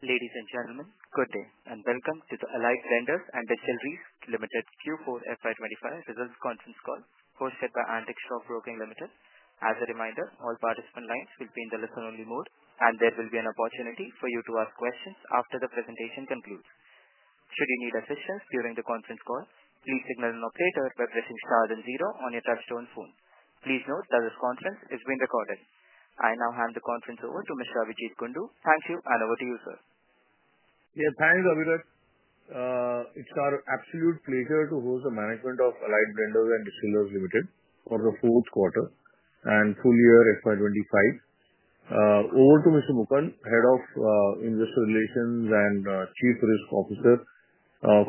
Ladies and gentlemen, good day and welcome to the Allied Blenders and Distillers Limited Q4 FY 2025 results conference call, hosted by Antique Stock Broking Ltd. As a reminder, all participant lines will be in the listen-only mode, and there will be an opportunity for you to ask questions after the presentation concludes. Should you need assistance during the conference call, please signal an operator by pressing star then zero on your touch-tone phone. Please note that this conference is being recorded. I now hand the conference over to Mr. Abhijeet Kundu. Thank you, and over to you, sir. Yeah, thanks, Operator. It's our absolute pleasure to host the management of Allied Blenders and Distillers Ltd for the fourth quarter and full year FY 2025. Over to Mr. Mukund, Head of Investor Relations and Chief Risk Officer,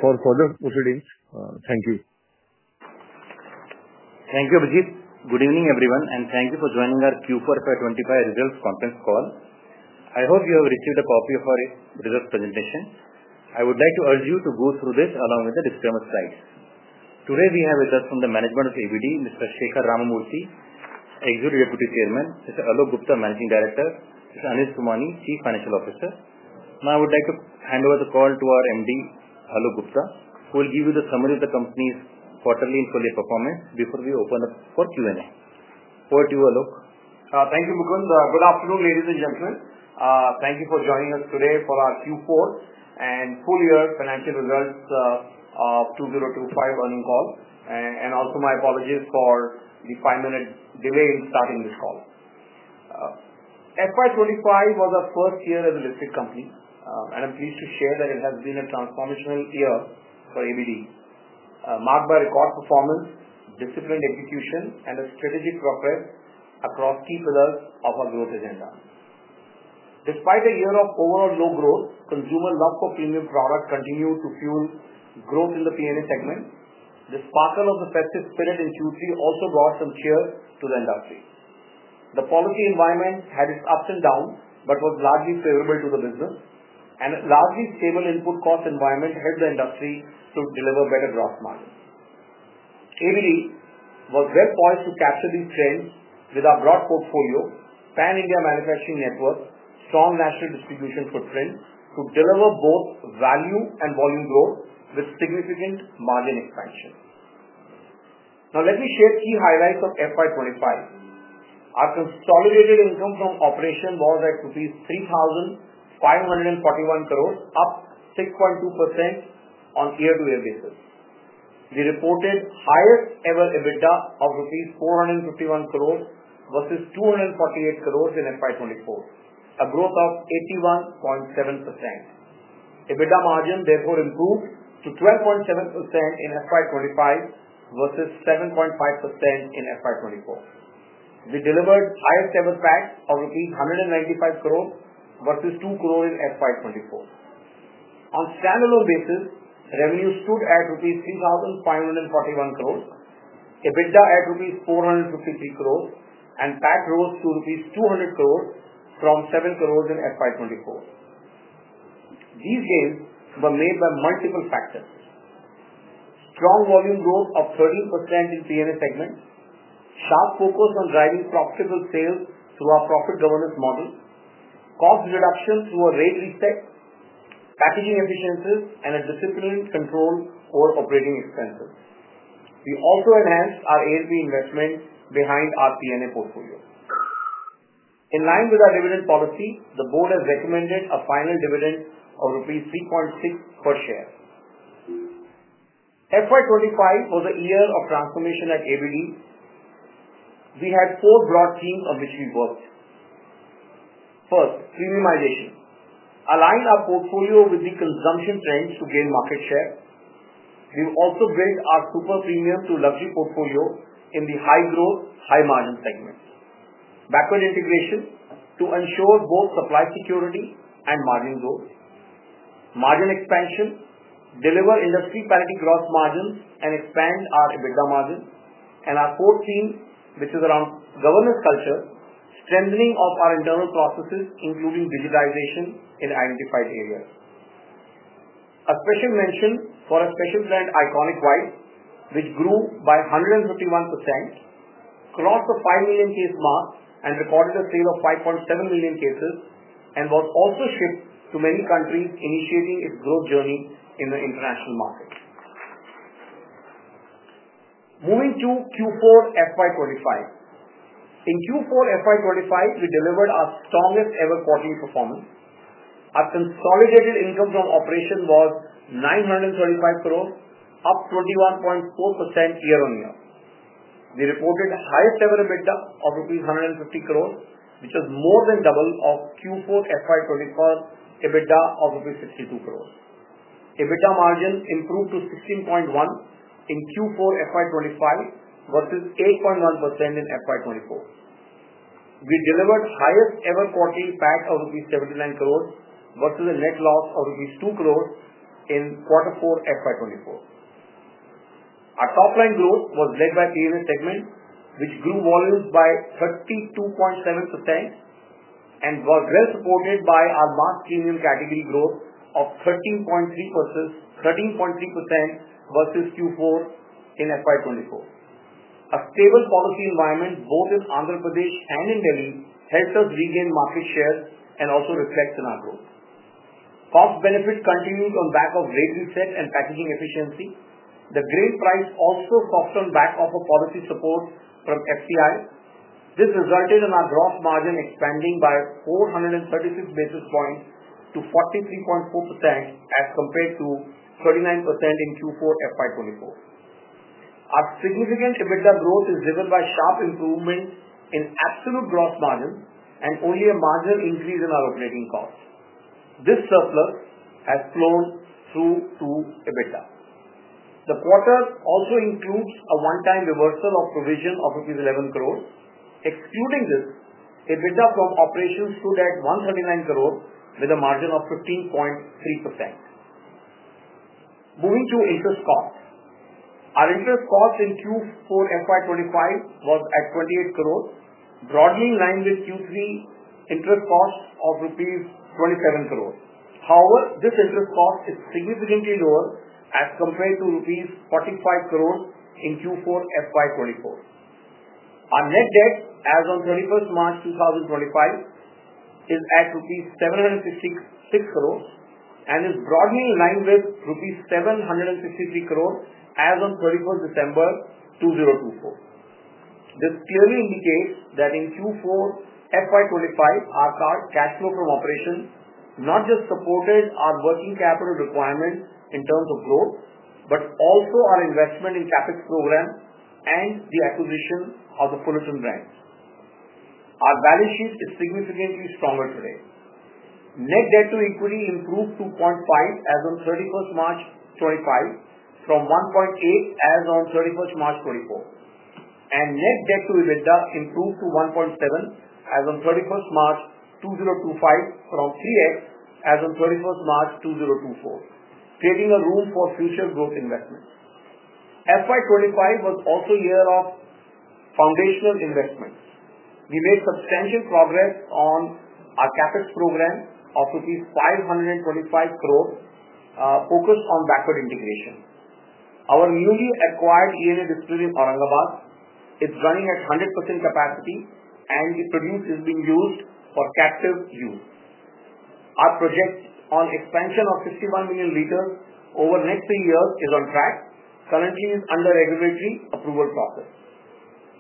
for further proceedings. Thank you. Thank you, Abhijeet. Good evening, everyone, and thank you for joining our Q4 FY 2025 results conference call. I hope you have received a copy of our results presentation. I would like to urge you to go through this along with the disclaimer slides. Today, we have with us from the management of ABD, Mr. Shekhar Ramamurthy, Executive Deputy Chairman, Mr. Alok Gupta, Managing Director, Mr. Anil Somani, Chief Financial Officer. Now, I would like to hand over the call to our MD, Alok Gupta, who will give you the summary of the company's quarterly and full-year performance before we open up for Q&A. Over to you, Alok. Thank you, Mukund. Good afternoon, ladies and gentlemen. Thank you for joining us today for our Q4 and full-year financial results of 2025 earnings call. My apologies for the five-minute delay in starting this call. FY 2025 was our first year as a listed company, and I'm pleased to share that it has been a transformational year for ABD, marked by record performance, disciplined execution, and strategic progress across key pillars of our growth agenda. Despite a year of overall low growth, consumer love for premium products continued to fuel growth in the P&A segment. The sparkle of the festive spirit in Q3 also brought some cheer to the industry. The policy environment had its ups and downs but was largely favorable to the business, and a largely stable input cost environment helped the industry to deliver better gross margins. ABD was well poised to capture these trends with our broad portfolio, pan-India manufacturing network, and strong national distribution footprint to deliver both value and volume growth with significant margin expansion. Now, let me share key highlights of FY 2025. Our consolidated income from operation was at INR 3,541 crore, up 6.2% on year-to-year basis. We reported highest-ever EBITDA of INR 451 crore versus INR 248 crore in FY 2024, a growth of 81.7%. EBITDA margin, therefore, improved to 12.7% in FY 2025 versus 7.5% in FY 2024. We delivered highest-ever PAT of 195 crore versus 2 crore in FY 2024. On standalone basis, revenue stood at 3,541 crore rupees, EBITDA at 453 crore rupees, and PAT rose to 200 crore rupees from 7 crore in FY 2024. These gains were made by multiple factors: strong volume growth of 13% in P&A segment, sharp focus on driving profitable sales through our profit governance model, cost reduction through a rate reset, packaging efficiencies, and a disciplined control over operating expenses. We also enhanced our A&P investment behind our P&A portfolio. In line with our dividend policy, the board has recommended a final dividend of rupees 3.6 crore per share. FY 2025 was a year of transformation at ABD. We had four broad themes on which we worked. First, premiumization. Align our portfolio with the consumption trends to gain market share. We've also built our super premium to luxury portfolio in the high-growth, high-margin segment. Backward integration to ensure both supply security and margin growth. Margin expansion, deliver industry-parity gross margins and expand our EBITDA margin. Our fourth theme, which is around governance culture, strengthening of our internal processes, including digitization in identified areas. A special mention for a special brand, Iconic White, which grew by 151%, crossed the 5 million case mark and recorded a sale of 5.7 million cases, and was also shipped to many countries, initiating its growth journey in the international market. Moving to Q4 FY 2025. In Q4 FY 2025, we delivered our strongest-ever quarterly performance. Our consolidated income from operation was 935 crore, up 21.4% year-on-year. We reported highest-ever EBITDA of rupees 150 crore, which is more than double of Q4 FY 2024 EBITDA of rupees 62 crore. EBITDA margin improved to 16.1% in Q4 FY 2025 versus 8.1% in FY 2024. We delivered highest-ever quarterly PAT of rupees 79 crore versus a net loss of rupees 2 crore in Q4 FY 2024. Our top-line growth was led by P&A segment, which grew volumes by 32.7% and was well supported by our mass premium category growth of 13.3% versus Q4 in FY 2024. A stable policy environment, both in Andhra Pradesh and in Delhi, helped us regain market share and also reflect in our growth. Cost-benefit continued on the back of rate reset and packaging efficiency. The grain price also softened on the back of policy support from FCI. This resulted in our gross margin expanding by 436 basis points to 43.4% as compared to 39% in Q4 FY 2024. Our significant EBITDA growth is driven by sharp improvement in absolute gross margin and only a marginal increase in our operating costs. This surplus has flown through to EBITDA. The quarter also includes a one-time reversal of provision of rupees 11 crore. Excluding this, EBITDA from operations stood at 139 crore with a margin of 15.3%. Moving to interest cost. Our interest cost in Q4 FY 2025 was at 28 crore, broadly in line with Q3 interest cost of rupees 27 crore. However, this interest cost is significantly lower as compared to rupees 45 crore in Q4 FY 2024. Our net debt, as of 31st March 2025, is at rupees 766 crore and is broadly in line with rupees 763 crore as of 31st December 2024. This clearly indicates that in Q4 FY 2025, our cash flow from operations not just supported our working capital requirement in terms of growth, but also our investment in CaPex program and the acquisition of the Fullerton Brands. Our balance sheet is significantly stronger today. Net debt to equity improved 2.5% as of 31st March 2025 from 1.8% as of 31st March 2024. Net debt to EBITDA improved to 1.7% as of 31st March 2025 from 3x as of 31st March 2024, creating room for future growth investments. FY 2025 was also a year of foundational investments. We made substantial progress on our CaPex program of rupees 525 crore focused on backward integration. Our newly acquired ENA distillery in Aurangabad is running at 100% capacity, and the produce is being used for captive use. Our project on expansion of 61 million liters over the next three years is on track. Currently, it is under regulatory approval process.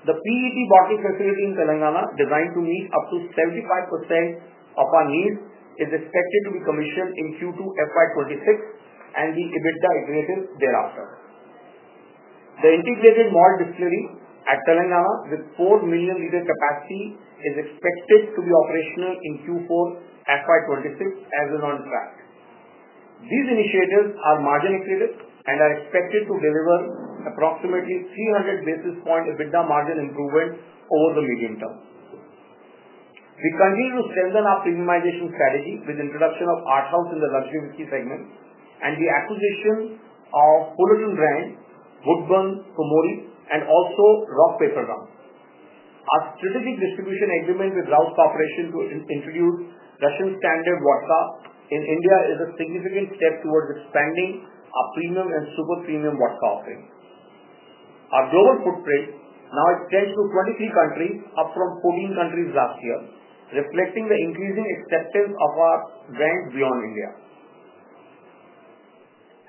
The PET bottle facility in Telangana, designed to meet up to 75% of our needs, is expected to be commissioned in Q2 FY 2026 and the EBITDA accretive thereafter. The integrated malt distillery at Telangana with 4 million liters capacity is expected to be operational in Q4 FY 2026 and is on track. These initiatives are margin-iterative and are expected to deliver approximately 300 basis point EBITDA margin improvement over the medium term. We continue to strengthen our premiumization strategy with the introduction of Arthaus in the luxury whiskey segment and the acquisition of Fullerton Brand, Woodburn, Kumori, and also Rock Paper Rum. Our strategic distribution agreement with Rouse Corporation to introduce Russian Standard Vodka in India is a significant step towards expanding our premium and super premium vodka offering. Our global footprint now extends to 23 countries, up from 14 countries last year, reflecting the increasing acceptance of our brand beyond India.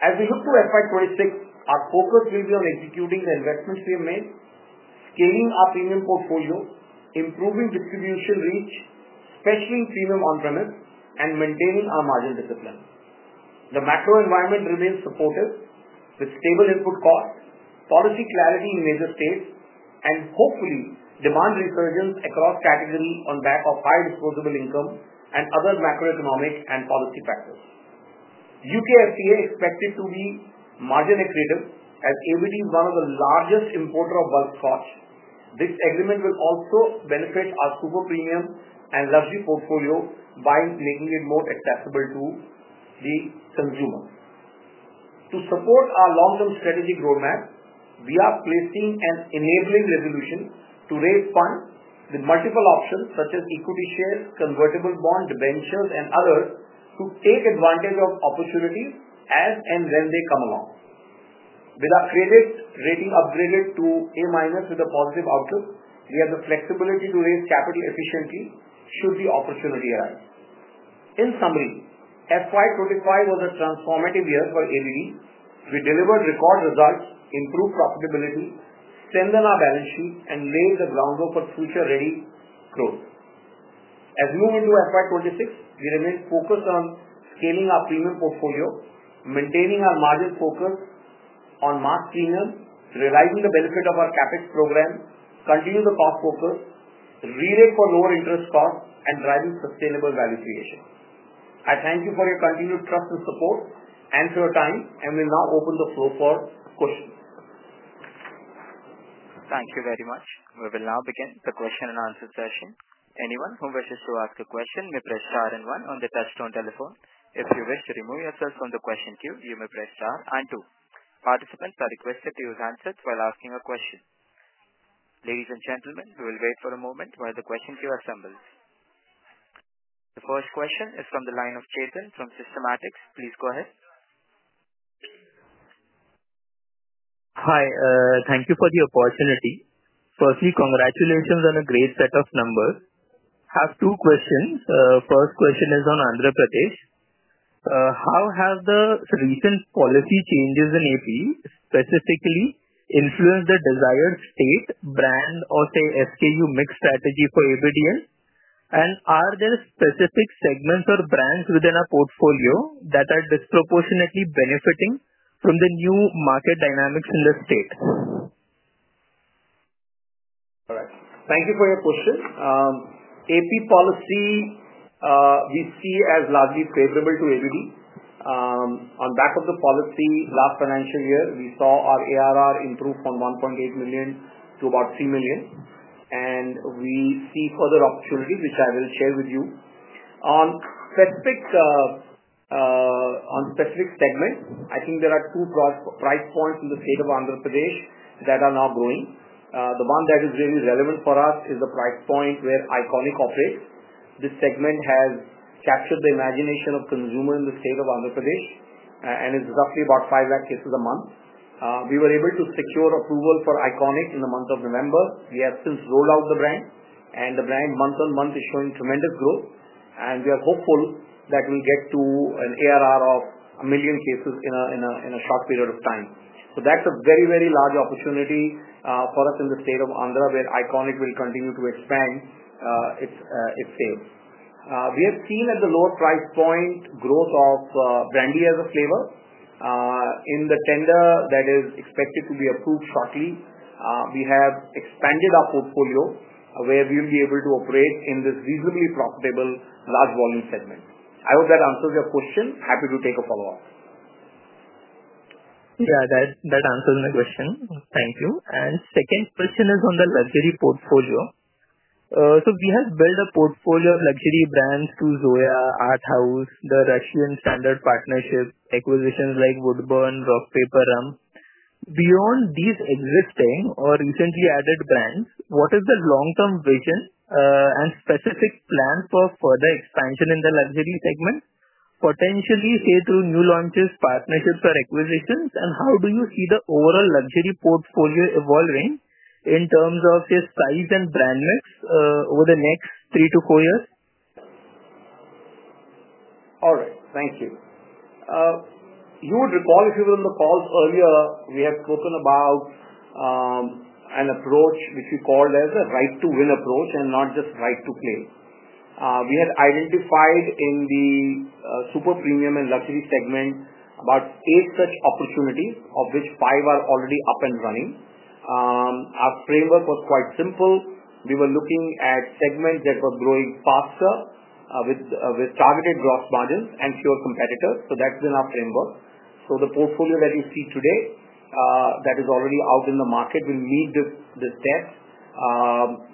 As we look to FY 2026, our focus will be on executing the investments we have made, scaling our premium portfolio, improving distribution reach, especially in premium on-premise, and maintaining our margin discipline. The macro environment remains supportive with stable input costs, policy clarity in major states, and hopefully demand resurgence across categories on the back of high disposable income and other macroeconomic and policy factors. U.K. FTA is expected to be margin-iterative as ABD is one of the largest importers of bulk scotch. This agreement will also benefit our super premium and luxury portfolio by making it more accessible to the consumer. To support our long-term strategic roadmap, we are placing an enabling resolution to raise funds with multiple options such as equity shares, convertible bonds, debentures, and others to take advantage of opportunities as and when they come along. With our credit rating upgraded to A- with a positive outlook, we have the flexibility to raise capital efficiently should the opportunity arise. In summary, FY 2025 was a transformative year for ABD. We delivered record results, improved profitability, strengthened our balance sheet, and laid the groundwork for future-ready growth. As we move into FY 2026, we remain focused on scaling our premium portfolio, maintaining our margin focus on mass premium, realizing the benefit of our CaPex program, continuing the cost focus, re-rating for lower interest costs, and driving sustainable value creation. I thank you for your continued trust and support and for your time, and we'll now open the floor for questions. Thank you very much. We will now begin the question and answer session. Anyone who wishes to ask a question may press star and one on the touchstone telephone. If you wish to remove yourself from the question queue, you may press star and two. Participants are requested to use handsets while asking a question. Ladies and gentlemen, we will wait for a moment while the question queue assembles. The first question is from the line of Chetin from Systematics. Please go ahead. Hi. Thank you for the opportunity. Firstly, congratulations on a great set of numbers. I have two questions. The first question is on Andhra Pradesh. How have the recent policy changes in AP specifically influenced the desired state, brand, or, say, SKU mix strategy for ABDN? Are there specific segments or brands within our portfolio that are disproportionately benefiting from the new market dynamics in the state? All right. Thank you for your question. AP policy, we see as largely favorable to ABD. On the back of the policy, last financial year, we saw our ARR improve from 1.8 million to about 3 million. We see further opportunities, which I will share with you. On specific segments, I think there are two price points in the state of Andhra Pradesh that are now growing. The one that is really relevant for us is the price point where Iconic operates. This segment has captured the imagination of consumers in the state of Andhra Pradesh and is roughly about 500,000 cases a month. We were able to secure approval for Iconic in the month of November. We have since rolled out the brand, and the brand month on month is showing tremendous growth. We are hopeful that we'll get to an ARR of a million cases in a short period of time. That's a very, very large opportunity for us in the state of Andhra where Iconic will continue to expand its sales. We have seen at the lower price point growth of Brandy as a flavor in the tender that is expected to be approved shortly. We have expanded our portfolio where we'll be able to operate in this reasonably profitable large volume segment. I hope that answers your question. Happy to take a follow-up. Yeah, that answers my question. Thank you. The second question is on the luxury portfolio. We have built a portfolio of luxury brands—Zoya, Arthaus, the Russian Standard partnership, acquisitions like Woodburn, Rock Paper Rum. Beyond these existing or recently added brands, what is the long-term vision and specific plan for further expansion in the luxury segment, potentially, say, through new launches, partnerships, or acquisitions? How do you see the overall luxury portfolio evolving in terms of, say, size and brand mix over the next three to four years? All right. Thank you. You would recall if you were on the call earlier, we had spoken about an approach which we called as a right-to-win approach and not just right-to-play. We had identified in the super premium and luxury segment about eight such opportunities, of which five are already up and running. Our framework was quite simple. We were looking at segments that were growing faster with targeted gross margins and fewer competitors. That has been our framework. The portfolio that you see today that is already out in the market will meet the test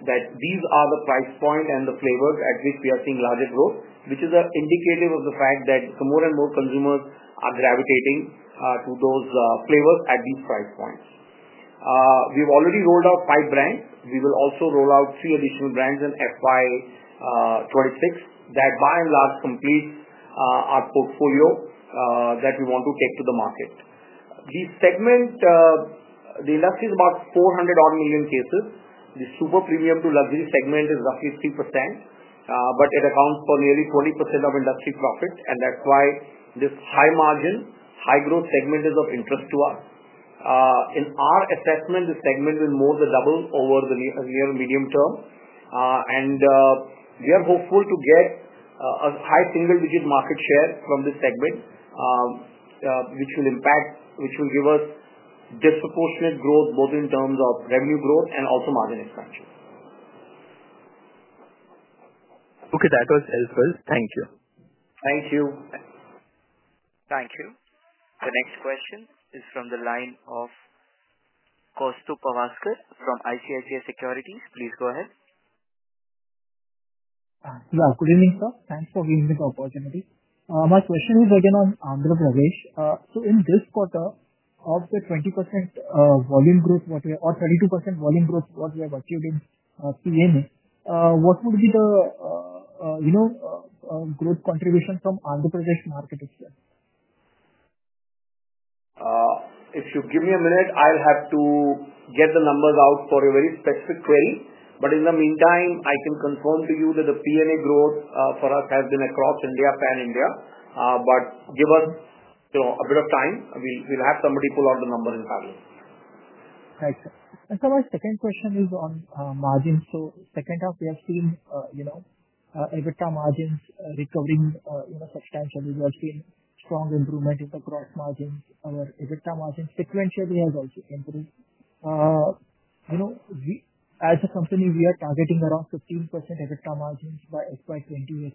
that these are the price point and the flavors at which we are seeing larger growth, which is an indicator of the fact that more and more consumers are gravitating to those flavors at these price points. We have already rolled out five brands. We will also roll out three additional brands in FY 2026 that, by and large, complete our portfolio that we want to take to the market. The industry is about 400-odd million cases. The super premium to luxury segment is roughly 3%, but it accounts for nearly 20% of industry profit. That is why this high-margin, high-growth segment is of interest to us. In our assessment, this segment will more than double over the near-medium term. We are hopeful to get a high single-digit market share from this segment, which will give us disproportionate growth both in terms of revenue growth and also margin expansion. Okay. That was helpful. Thank you. Thank you. Thank you. The next question is from the line of Kaustubh Pawaskar from ICICI Securities. Please go ahead. Yeah. Good evening, sir. Thanks for giving me the opportunity. My question is again on Andhra Pradesh. In this quarter of the 20% volume growth or 32% volume growth, what we have achieved in P&A, what would be the growth contribution from Andhra Pradesh market itself? If you give me a minute, I'll have to get the numbers out for a very specific query. In the meantime, I can confirm to you that the P&A growth for us has been across India, pan-India. Give us a bit of time. We'll have somebody pull out the numbers in parallel. Thanks, sir. My second question is on margins. Second half, we have seen EBITDA margins recovering substantially. We have seen strong improvement in the gross margins. Our EBITDA margins sequentially have also improved. As a company, we are targeting around 15% EBITDA margins by FY 2028.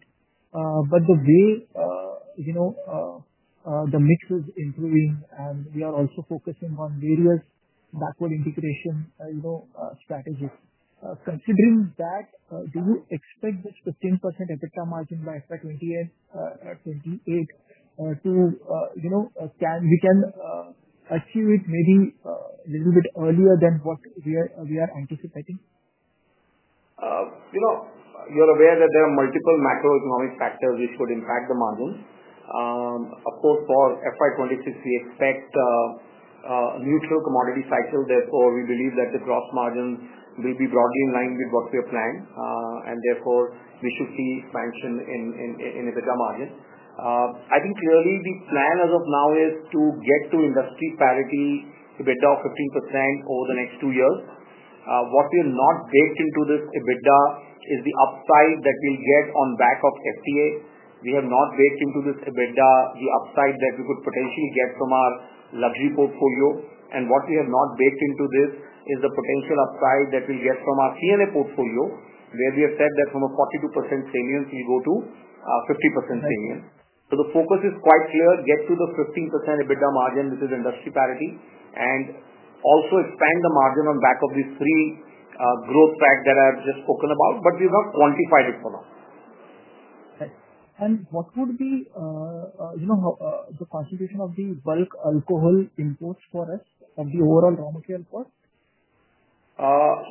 The way the mix is improving, and we are also focusing on various backward integration strategies. Considering that, do you expect this 15% EBITDA margin by FY 2028, we can achieve it maybe a little bit earlier than what we are anticipating? You're aware that there are multiple macroeconomic factors which could impact the margins. Of course, for FY 2026, we expect a neutral commodity cycle. Therefore, we believe that the gross margins will be broadly in line with what we have planned. Therefore, we should see expansion in EBITDA margins. I think clearly the plan as of now is to get to industry parity EBITDA of 15% over the next two years. What we have not baked into this EBITDA is the upside that we'll get on the back of FTA. We have not baked into this EBITDA the upside that we could potentially get from our luxury portfolio. What we have not baked into this is the potential upside that we'll get from our P&A portfolio, where we have said that from a 42% salience, we'll go to a 50% salience. The focus is quite clear: get to the 15% EBITDA margin which is industry parity, and also expand the margin on the back of these three growth tracks that I've just spoken about. We've not quantified it for now. What would be the constitution of the bulk alcohol imports for us and the overall raw material cost?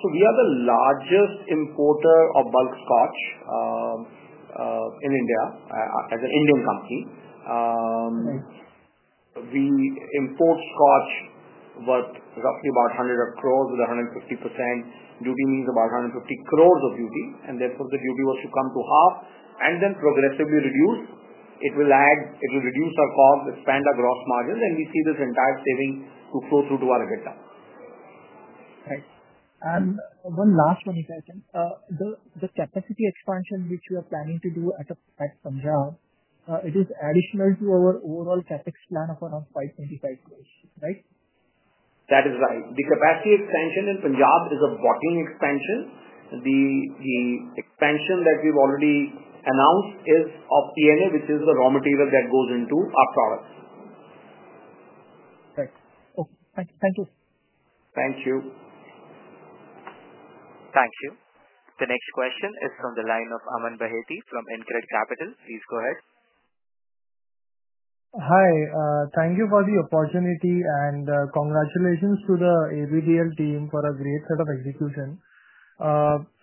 We are the largest importer of bulk scotch in India as an Indian company. We import scotch worth roughly about 100 crore with 150% duty, which means about 150 crore of duty. Therefore, if the duty was to come to half and then progressively reduce, it will reduce our cost, expand our gross margins, and we see this entire saving flow through to our EBITDA. Right. And one last one if I can. The capacity expansion which you are planning to do at Punjab, it is additional to our overall CapEx plan of around 5.25 crore, right? That is right. The capacity expansion in Punjab is a bottling expansion. The expansion that we've already announced is of P&A, which is the raw material that goes into our products. Right. Okay. Thank you. Thank you. Thank you. The next question is from the line of Aman Bhatti from Incred Capital. Please go ahead. Hi. Thank you for the opportunity and congratulations to the ABDL team for a great set of execution.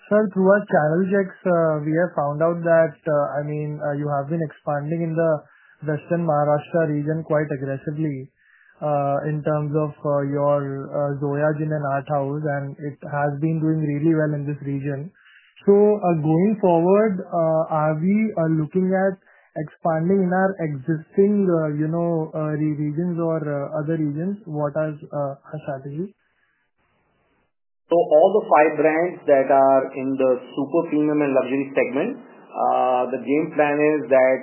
Sir, through our channel checks, we have found out that, I mean, you have been expanding in the Western Maharashtra region quite aggressively in terms of your Zoya, Gin, and Arthaus, and it has been doing really well in this region. Going forward, are we looking at expanding in our existing regions or other regions? What are our strategies? All the five brands that are in the super premium and luxury segment, the game plan is that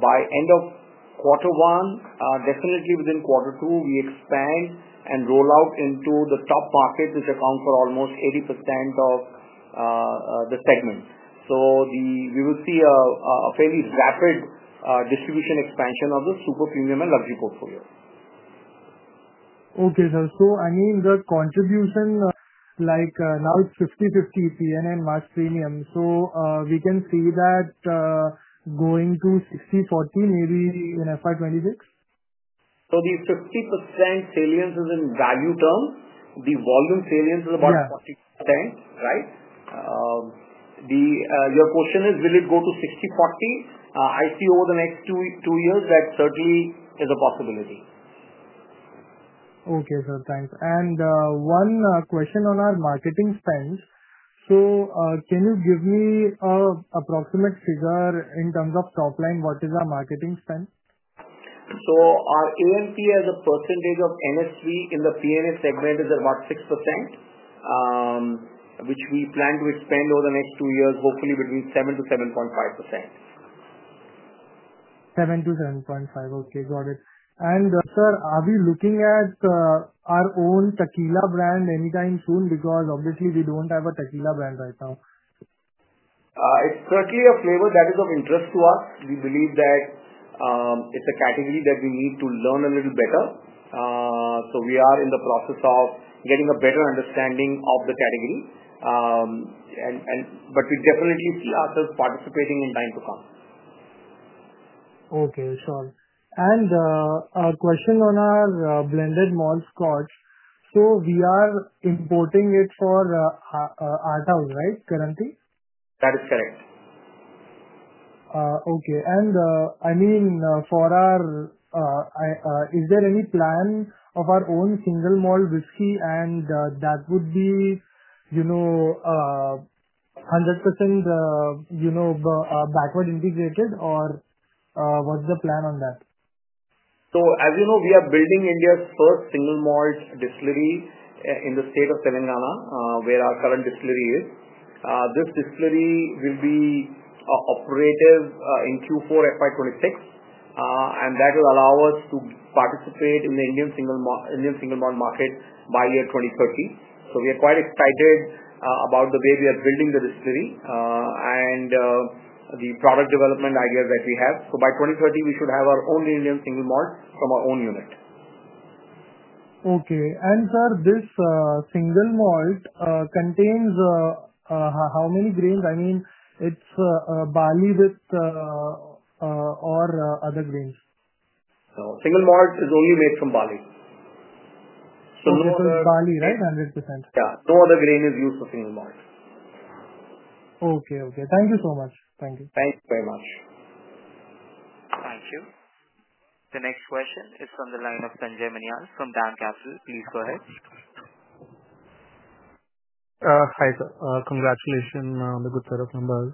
by end of quarter one, definitely within quarter two, we expand and roll out into the top markets which account for almost 80% of the segment. We will see a fairly rapid distribution expansion of the super premium and luxury portfolio. Okay, sir. So I mean, the contribution. Like now it's 50/50 P&A and mass premium. So we can see that going to 60/40 maybe in FY 2026? The 50% salience is in value terms. The volume salience is about 40%, right? Your question is, will it go to 60/40? I see over the next two years that certainly is a possibility. Okay, sir. Thanks. One question on our marketing spend. Can you give me an approximate figure in terms of top line? What is our marketing spend? Our AMP as a percentage of NSV in the P&A segment is about 6%, which we plan to expand over the next two years, hopefully between 7%-7.5%. 7%-7.5%. Okay. Got it. And sir, are we looking at our own Tequila brand anytime soon? Because obviously, we don't have a Tequila brand right now. It's certainly a flavor that is of interest to us. We believe that it's a category that we need to learn a little better. We are in the process of getting a better understanding of the category. We definitely see ourselves participating in time to come. Okay, sure. A question on our blended malt scotch. We are importing it for Arthaus, right, currently? That is correct. Okay. I mean, for our is there any plan of our own single malt whiskey and that would be 100% backward integrated, or what's the plan on that? As you know, we are building India's first single malt distillery in the state of Telangana, where our current distillery is. This distillery will be operative in Q4 FY 2026, and that will allow us to participate in the Indian single malt market by year 2030. We are quite excited about the way we are building the distillery and the product development ideas that we have. By 2030, we should have our own Indian single malt from our own unit. Okay. Sir, this single malt contains how many grains? I mean, it's barley with or other grains? No. Single malt is only made from barley. Single malt is barley, right? 100%. Yeah. No other grain is used for single malt. Okay. Okay. Thank you so much. Thank you. Thank you very much. Thank you. The next question is from the line of Sanjay Manyal from DAM Capital. Please go ahead. Hi, sir. Congratulations on the good set of numbers.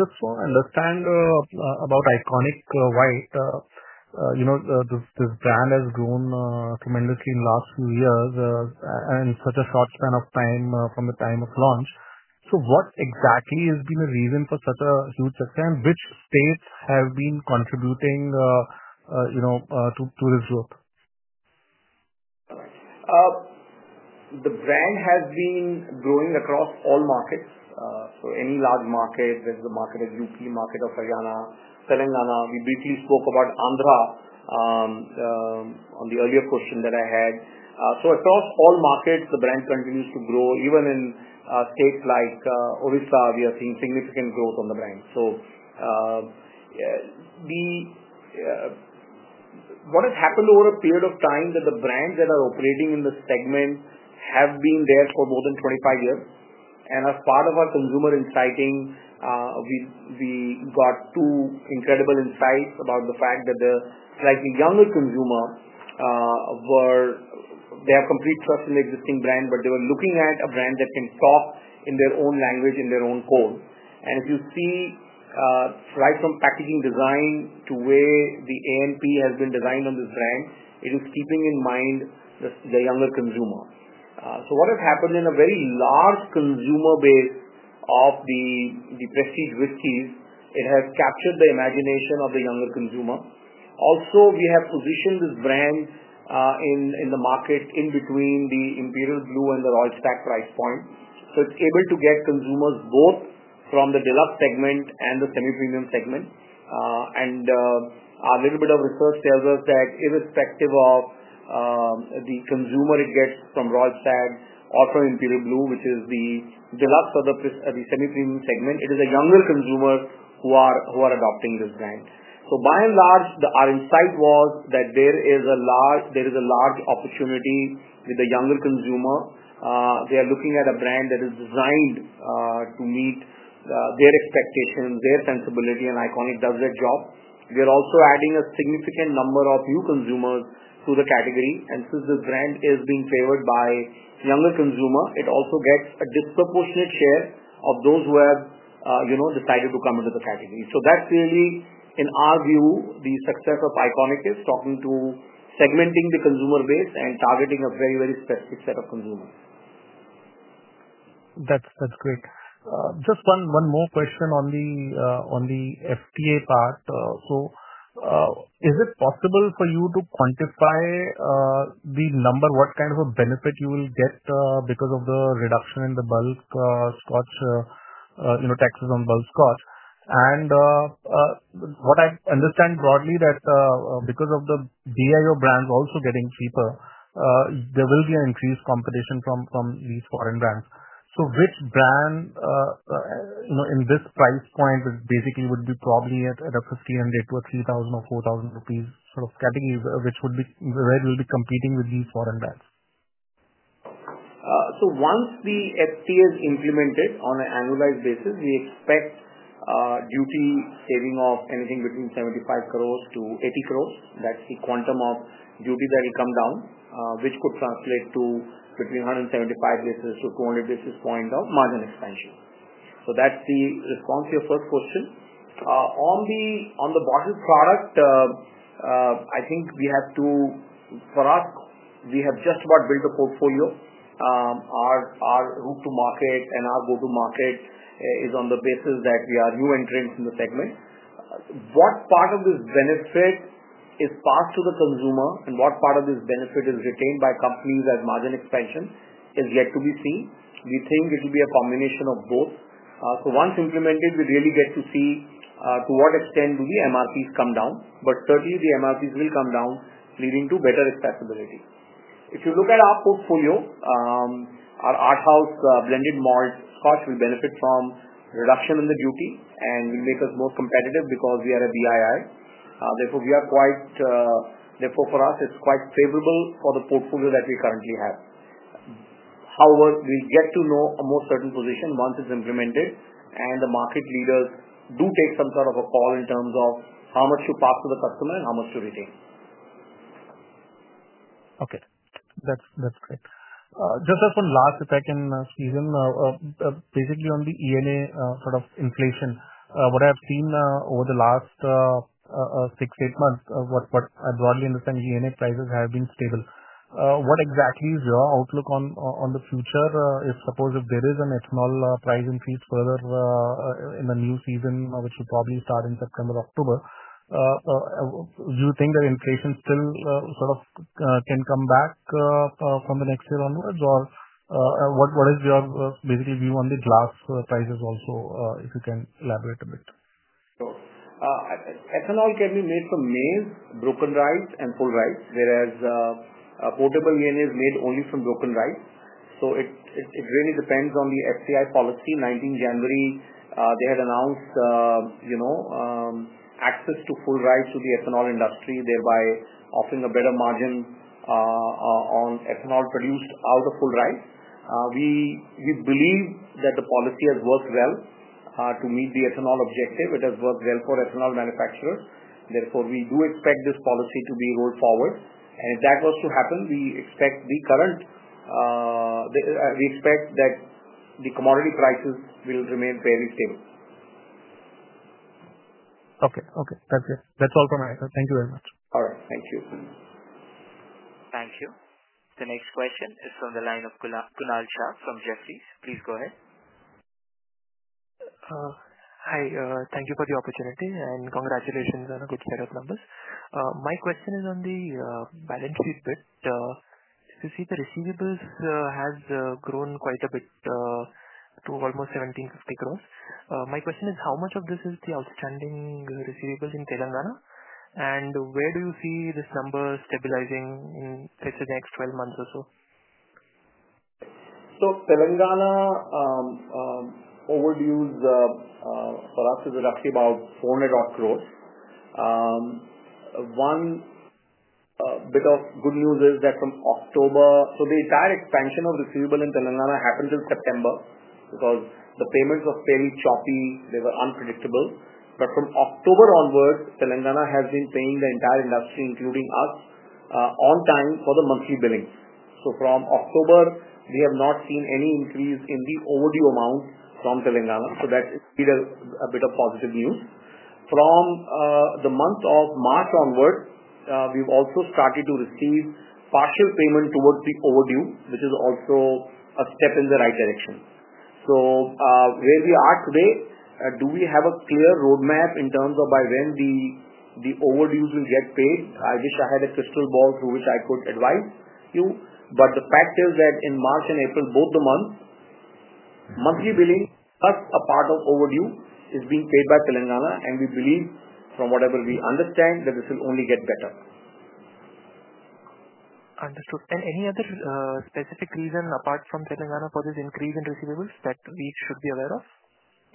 Just to understand about Iconic White, this brand has grown tremendously in the last few years in such a short span of time from the time of launch. What exactly has been the reason for such a huge success, and which states have been contributing to this growth? The brand has been growing across all markets. Any large market, whether the market is UP, market of Haryana, Telangana. We briefly spoke about Andhra on the earlier question that I had. Across all markets, the brand continues to grow. Even in states like Odisha, we are seeing significant growth on the brand. What has happened over a period of time is that the brands that are operating in the segment have been there for more than 25 years. As part of our consumer insighting, we got two incredible insights about the fact that the slightly younger consumer, where they have complete trust in the existing brand, but they were looking at a brand that can talk in their own language, in their own code. As you see, right from packaging design to where the AMP has been designed on this brand, it is keeping in mind the younger consumer. What has happened in a very large consumer base of the prestige whiskies, it has captured the imagination of the younger consumer. Also, we have positioned this brand in the market in between the Imperial Blue and the Royal Stag price point. It is able to get consumers both from the deluxe segment and the semi-premium segment. A little bit of research tells us that irrespective of the consumer it gets from Royal Stag or from Imperial Blue, which is the deluxe or the semi-premium segment, it is a younger consumer who are adopting this brand. By and large, our insight was that there is a large opportunity with the younger consumer. They are looking at a brand that is designed to meet their expectations, their sensibility, and Iconic does their job. We are also adding a significant number of new consumers to the category. Since this brand is being favored by younger consumer, it also gets a disproportionate share of those who have decided to come into the category. That is really, in our view, the success of Iconic is talking to segmenting the consumer base and targeting a very, very specific set of consumers. That's great. Just one more question on the FTA part. Is it possible for you to quantify the number, what kind of a benefit you will get because of the reduction in the bulk scotch taxes on bulk scotch? What I understand broadly is that because of the Diageo brands also getting cheaper, there will be increased competition from these foreign brands. Which brand in this price point basically would be probably at a 1,500-3,000 or 4,000 rupees sort of category where it will be competing with these foreign brands? Once the FTA is implemented on an annualized basis, we expect duty saving of anything between 75 crore-80 crore. That is the quantum of duty that will come down, which could translate to between 175 basis points to 200 basis points of margin expansion. That is the response to your first question. On the bottled product, I think for us, we have just about built a portfolio. Our route to market and our go-to-market is on the basis that we are new entrants in the segment. What part of this benefit is passed to the consumer and what part of this benefit is retained by companies as margin expansion is yet to be seen. We think it will be a combination of both. Once implemented, we really get to see to what extent do the MRPs come down. Certainly, the MRPs will come down, leading to better expensibility. If you look at our portfolio, our Arthaus blended malt scotch will benefit from reduction in the duty and will make us more competitive because we are a BII. Therefore, for us, it is quite favorable for the portfolio that we currently have. However, we will get to know a more certain position once it is implemented and the market leaders do take some sort of a call in terms of how much to pass to the customer and how much to retain. Okay. That's great. Just one last, if I can, Sujan, basically on the ENA sort of inflation. What I have seen over the last six-eight months, what I broadly understand, ENA prices have been stable. What exactly is your outlook on the future? If, suppose, if there is an ethanol price increase further in the new season, which will probably start in September, October, do you think that inflation still sort of can come back from the next year onwards? Or what is your basically view on the glass prices also, if you can elaborate a bit? Sure. Ethanol can be made from maize, broken rice, and full rice, whereas portable ENA is made only from broken rice. It really depends on the FCI policy. In 19th January, they had announced access to full rice to the ethanol industry, thereby offering a better margin on ethanol produced out of full rice. We believe that the policy has worked well to meet the ethanol objective. It has worked well for ethanol manufacturers. Therefore, we do expect this policy to be rolled forward. If that was to happen, we expect that the commodity prices will remain fairly stable. Okay. Okay. That's good. That's all from my side. Thank you very much. All right. Thank you. Thank you. The next question is from the line of Kunal Shah from Jefferies. Please go ahead. Hi. Thank you for the opportunity and congratulations on a good set of numbers. My question is on the balance sheet bit. You see, the receivables have grown quite a bit to almost 1,750 crore. My question is, how much of this is the outstanding receivables in Telangana? And where do you see this number stabilizing in, let's say, the next 12 months or so? Telangana overdues for us is roughly about 400 crore. One bit of good news is that from October, the entire expansion of receivable in Telangana happened in September because the payments were fairly choppy. They were unpredictable. From October onwards, Telangana has been paying the entire industry, including us, on time for the monthly billing. From October, we have not seen any increase in the overdue amount from Telangana. That is a bit of positive news. From the month of March onwards, we've also started to receive partial payment towards the overdue, which is also a step in the right direction. Where we are today, do we have a clear roadmap in terms of by when the overdues will get paid? I wish I had a crystal ball through which I could advise you. The fact is that in March and April, both the month, monthly billing, plus a part of overdue, is being paid by Telangana. We believe, from whatever we understand, that this will only get better. Understood. Any other specific reason apart from Telangana for this increase in receivables that we should be aware of?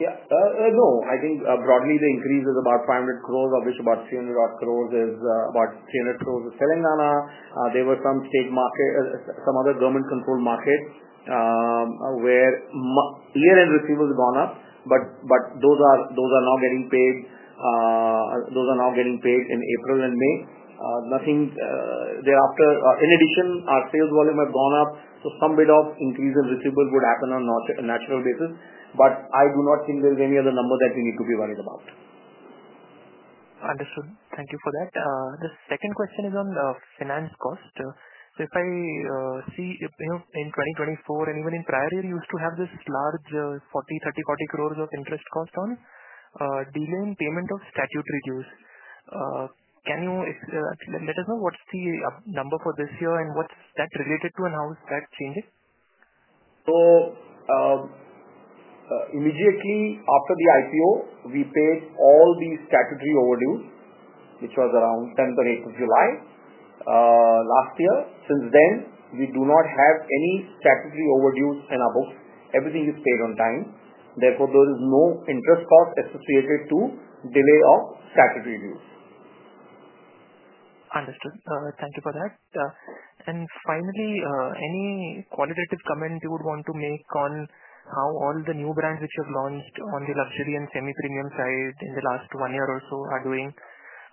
Yeah. No. I think broadly, the increase is about 500 crore, of which about 300-odd crore is, about 300 crore is Telangana. There were some state markets, some other government-controlled markets where year-end receivables have gone up, but those are now getting paid. Those are now getting paid in April and May. Thereafter, in addition, our sales volume have gone up. So some bit of increase in receivables would happen on a natural basis. I do not think there is any other number that we need to be worried about. Understood. Thank you for that. The second question is on finance cost. If I see in 2024 and even in prior year, you used to have this large 30 crore-40 crore of interest cost on delay in payment of statutory dues. Can you let us know what's the number for this year and what's that related to and how is that changing? Immediately after the IPO, we paid all the statutory overdues, which was around the 10th or 8th of July last year. Since then, we do not have any statutory overdues in our books. Everything is paid on time. Therefore, there is no interest cost associated to delay of statutory dues. Understood. Thank you for that. Finally, any qualitative comment you would want to make on how all the new brands which have launched on the luxury and semi-premium side in the last one year or so are doing?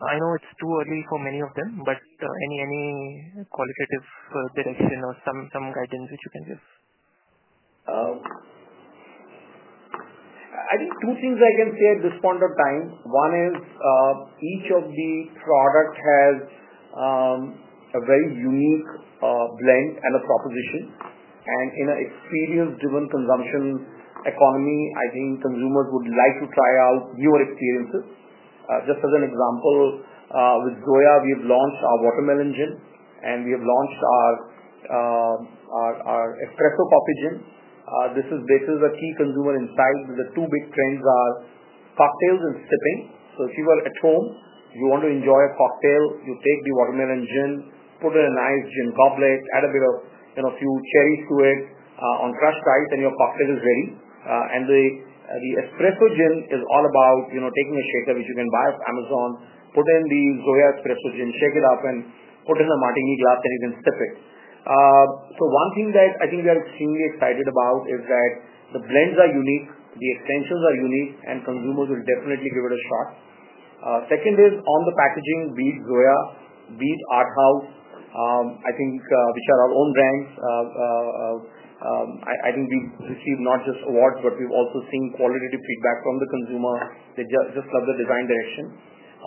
I know it's too early for many of them, but any qualitative direction or some guidance which you can give? I think two things I can say at this point of time. One is each of the products has a very unique blend and a proposition. In an experience-driven consumption economy, I think consumers would like to try out newer experiences. Just as an example, with Zoya, we have launched our watermelon gin, and we have launched our espresso coffee gin. This is basically the key consumer insight. The two big trends are cocktails and sipping. If you were at home, you want to enjoy a cocktail, you take the watermelon gin, put in a nice gin goblet, add a bit of a few cherries to it on crushed ice, and your cocktail is ready. The espresso gin is all about taking a shaker, which you can buy off Amazon, put in the Zoya espresso gin, shake it up, and put in a martini glass, and you can sip it. One thing that I think we are extremely excited about is that the blends are unique, the extensions are unique, and consumers will definitely give it a shot. Second is on the packaging, be it Zoya, be it Arthaus, which are our own brands. I think we've received not just awards, but we've also seen qualitative feedback from the consumer. They just love the design direction.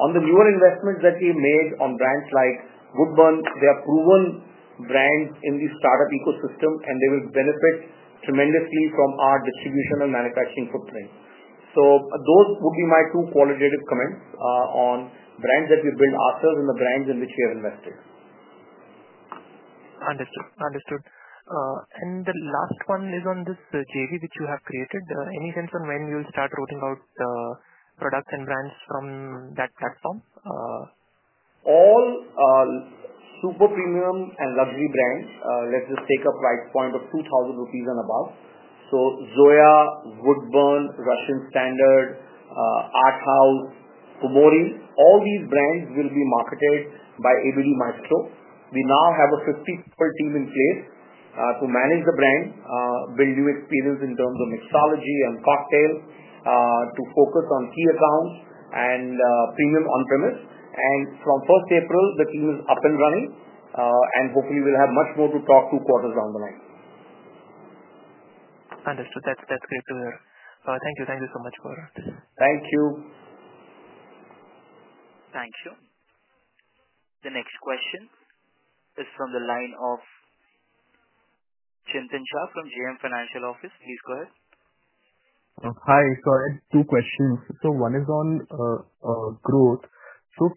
On the newer investments that we have made on brands like Woodburn, they are proven brands in the startup ecosystem, and they will benefit tremendously from our distribution and manufacturing footprint. Those would be my two qualitative comments on brands that we build after and the brands in which we have invested. Understood. Understood. The last one is on this JV which you have created. Any sense on when you'll start rolling out products and brands from that platform? All super premium and luxury brands, let's just take a price point of 2,000 rupees and above. So Zoya, Woodburn, Russian Standard, Arthaus, Kumori, all these brands will be marketed by ABD Micro. We now have a 50-person team in place to manage the brand, build new experience in terms of mixology and cocktail, to focus on key accounts and premium on-premise. From 1st April, the team is up and running, and hopefully, we'll have much more to talk two quarters down the line. Understood. That's great to hear. Thank you. Thank you so much. Thank you. Thank you. The next question is from the line of Chintan Shah from JM Financial. Please go ahead. Hi. I had two questions. One is on growth. Can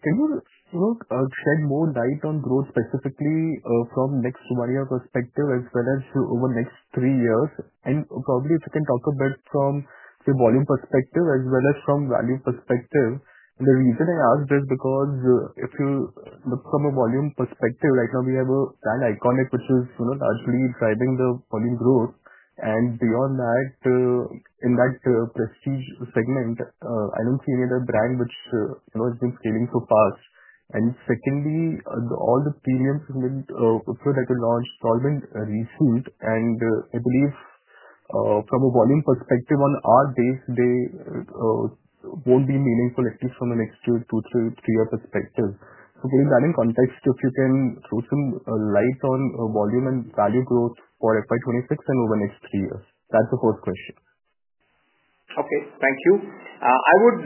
you shed more light on growth specifically from the next one-year perspective as well as over the next three years? If you can talk a bit from the volume perspective as well as from the value perspective. The reason I ask this is because if you look from a volume perspective, right now, we have a brand, Iconic, which is largely driving the volume growth. Beyond that, in that prestige segment, I do not see any other brand which has been scaling so fast. Secondly, all the premium that we launched has all been resealed. I believe from a volume perspective, on our base, they will not be meaningful, at least from the next two to three-year perspective. Putting that in context, if you can throw some light on volume and value growth for FY 2026 and over the next three years. That's the first question. Okay. Thank you. I would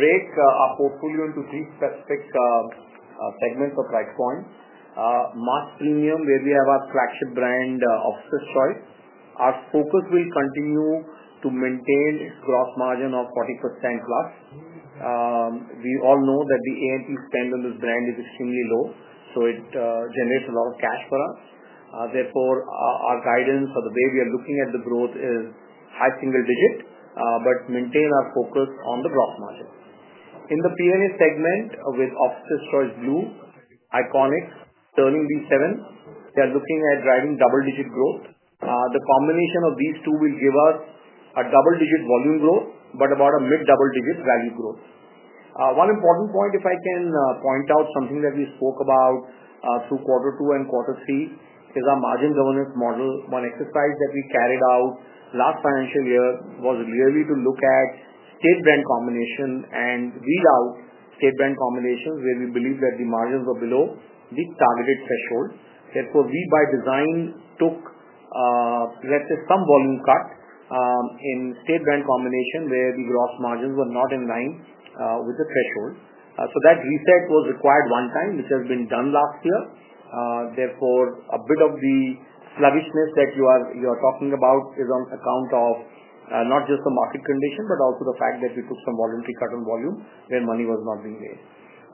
break our portfolio into three specific segments or price points. Mass Premium, where we have our flagship brand, Officer's Choice. Our focus will continue to maintain its gross margin of 40%+. We all know that the A&P spend on this brand is extremely low, so it generates a lot of cash for us. Therefore, our guidance or the way we are looking at the growth is high single-digit, but maintain our focus on the gross margin. In the P&A segment with Officer's Choice Blue, Iconic, Sterling V7, they are looking at driving double-digit growth. The combination of these two will give us a double-digit volume growth, but about a mid-double-digit value growth. One important point, if I can point out something that we spoke about through quarter two and quarter three, is our margin governance model. One exercise that we carried out last financial year was really to look at state-brand combination and rule out state-brand combinations where we believe that the margins were below the targeted threshold. Therefore, we, by design, took, let's say, some volume cut in state-brand combination where the gross margins were not in line with the threshold. That reset was required one time, which has been done last year. Therefore, a bit of the sluggishness that you are talking about is on account of not just the market condition, but also the fact that we took some voluntary cut on volume where money was not being made.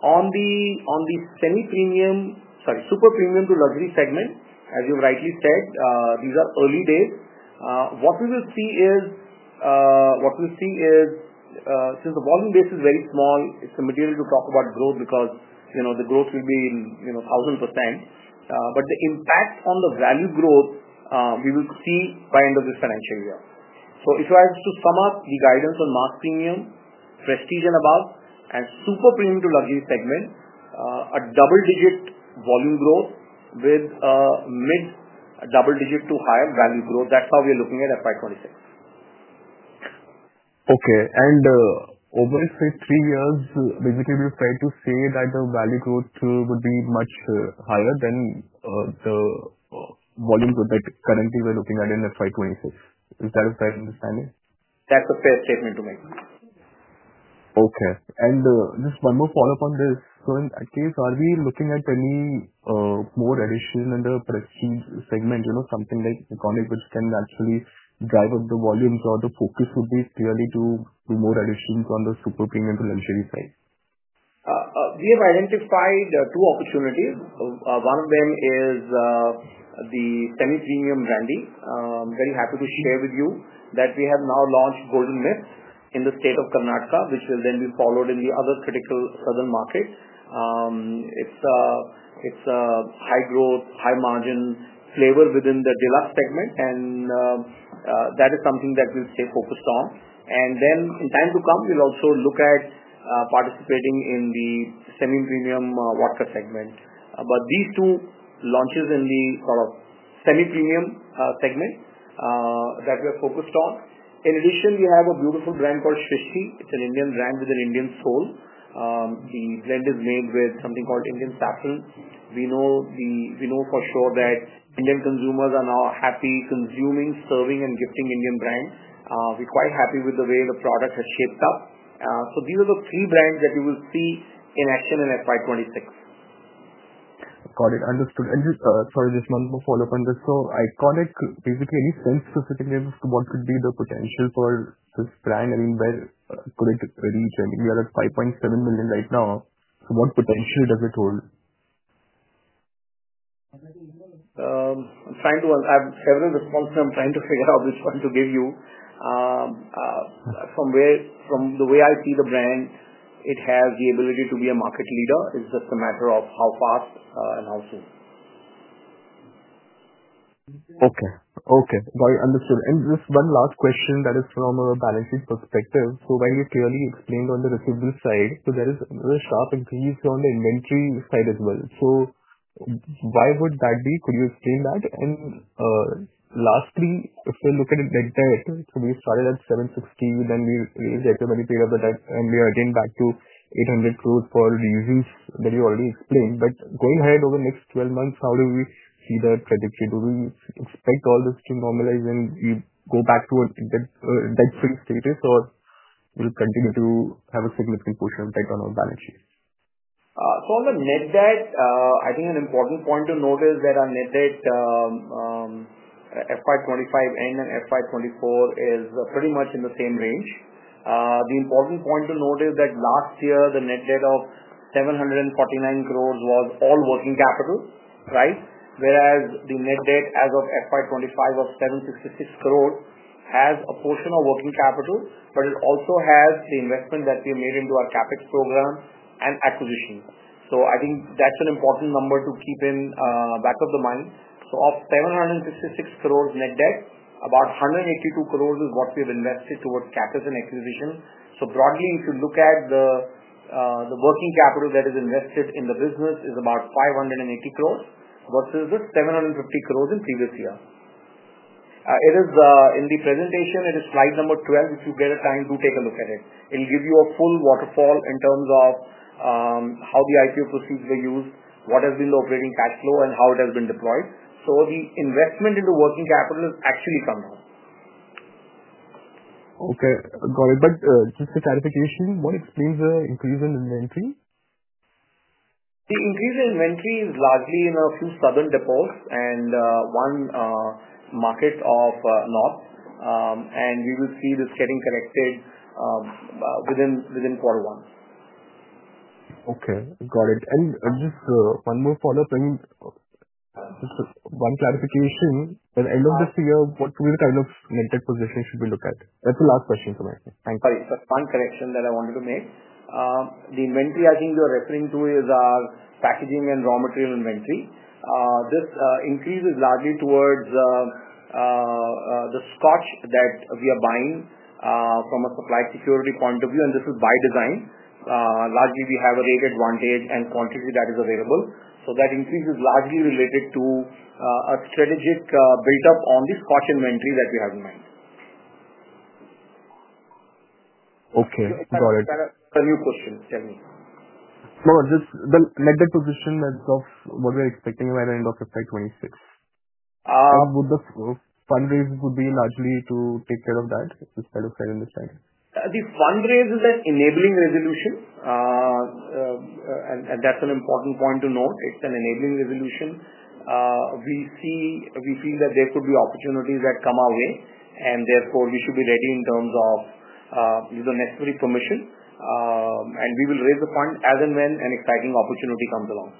On the semi-premium, sorry, super premium to luxury segment, as you've rightly said, these are early days. What we will see is, since the volume base is very small, it's immaterial to talk about growth because the growth will be 1,000%. The impact on the value growth, we will see by end of this financial year. If I was to sum up the guidance on mass premium, prestige and above, and super premium to luxury segment, a double-digit volume growth with mid-double-digit to higher value growth. That's how we are looking at FY 2026. Okay. Over, let's say, three years, basically, we've tried to say that the value growth would be much higher than the volumes that currently we're looking at in FY 2026. Is that a fair understanding? That's a fair statement to make. Okay. Just one more follow-up on this. In that case, are we looking at any more addition in the prestige segment, something like Iconic, which can actually drive up the volumes, or the focus would be clearly to do more additions on the super premium to luxury side? We have identified two opportunities. One of them is the semi-premium branding. I'm very happy to share with you that we have now launched Golden Mist in the state of Karnataka, which will then be followed in the other critical southern market. It's a high-growth, high-margin flavor within the deluxe segment, and that is something that we'll stay focused on. In time to come, we'll also look at participating in the semi-premium vodka segment. These two launches in the sort of semi-premium segment that we are focused on. In addition, we have a beautiful brand called Shrishti. It's an Indian brand with an Indian soul. The blend is made with something called Indian saffron. We know for sure that Indian consumers are now happy consuming, serving, and gifting Indian brands. We're quite happy with the way the product has shaped up. These are the three brands that you will see in action in FY 2026. Got it. Understood. Sorry, just one more follow-up on this. Iconic, basically, any sense specifically as to what could be the potential for this brand? I mean, where could it reach? I mean, we are at 5.7 million right now. What potential does it hold? I'm trying to have several responses. I'm trying to figure out which one to give you. From the way I see the brand, it has the ability to be a market leader. It's just a matter of how fast and how soon. Okay. Okay. Got it. Understood. Just one last question that is from a balance sheet perspective. While you clearly explained on the receivables side, there is a sharp increase on the inventory side as well. Why would that be? Could you explain that? Lastly, if we look at it like that, we started at 760 crore, then we raised it to a very period of that, and we are again back to 800 crore for reusers that you already explained. Going ahead over the next 12 months, how do we see the trajectory? Do we expect all this to normalize and go back to a dead swing status, or will it continue to have a significant portion of that on our balance sheet? On the net debt, I think an important point to note is that our net debt, FY 2025 and FY 2024, is pretty much in the same range. The important point to note is that last year, the net debt of 749 crore was all working capital, right? Whereas the net debt as of FY 2025 of 766 crore has a portion of working capital, but it also has the investment that we have made into our CapEx program and acquisition. I think that's an important number to keep in the back of the mind. Of 766 crore net debt, about 182 crore is what we have invested towards CapEx and acquisition. Broadly, if you look at the working capital that is invested in the business, it is about 580 crore versus the 750 crore in previous year. In the presentation, it is slide number 12. If you get a time to take a look at it, it will give you a full waterfall in terms of how the IPO proceeds were used, what has been the operating cash flow, and how it has been deployed. The investment into working capital has actually come down. Okay. Got it. Just a clarification, what explains the increase in inventory? The increase in inventory is largely in a few southern depots and one market of North. We will see this getting corrected within quarter one. Okay. Got it. I mean, just one more follow-up. I mean, just one clarification. By the end of this year, what kind of net debt position should we look at? That's the last question for my side. Thank you. Sorry, just one correction that I wanted to make. The inventory I think you're referring to is our packaging and raw material inventory. This increase is largely towards the Scotch that we are buying from a supply security point of view, and this is by design. Largely, we have a rate advantage and quantity that is available. That increase is largely related to a strategic build-up on the Scotch inventory that we have in mind. Okay. Got it. A new question. Tell me. No, just the net debt position itself, what we are expecting by the end of FY 2026. Would the fundraising be largely to take care of that instead of setting this side? The fundraising is an enabling resolution, and that's an important point to note. It's an enabling resolution. We feel that there could be opportunities that come our way, and therefore, we should be ready in terms of, you don't necessarily need permission. We will raise the fund as and when an exciting opportunity comes along.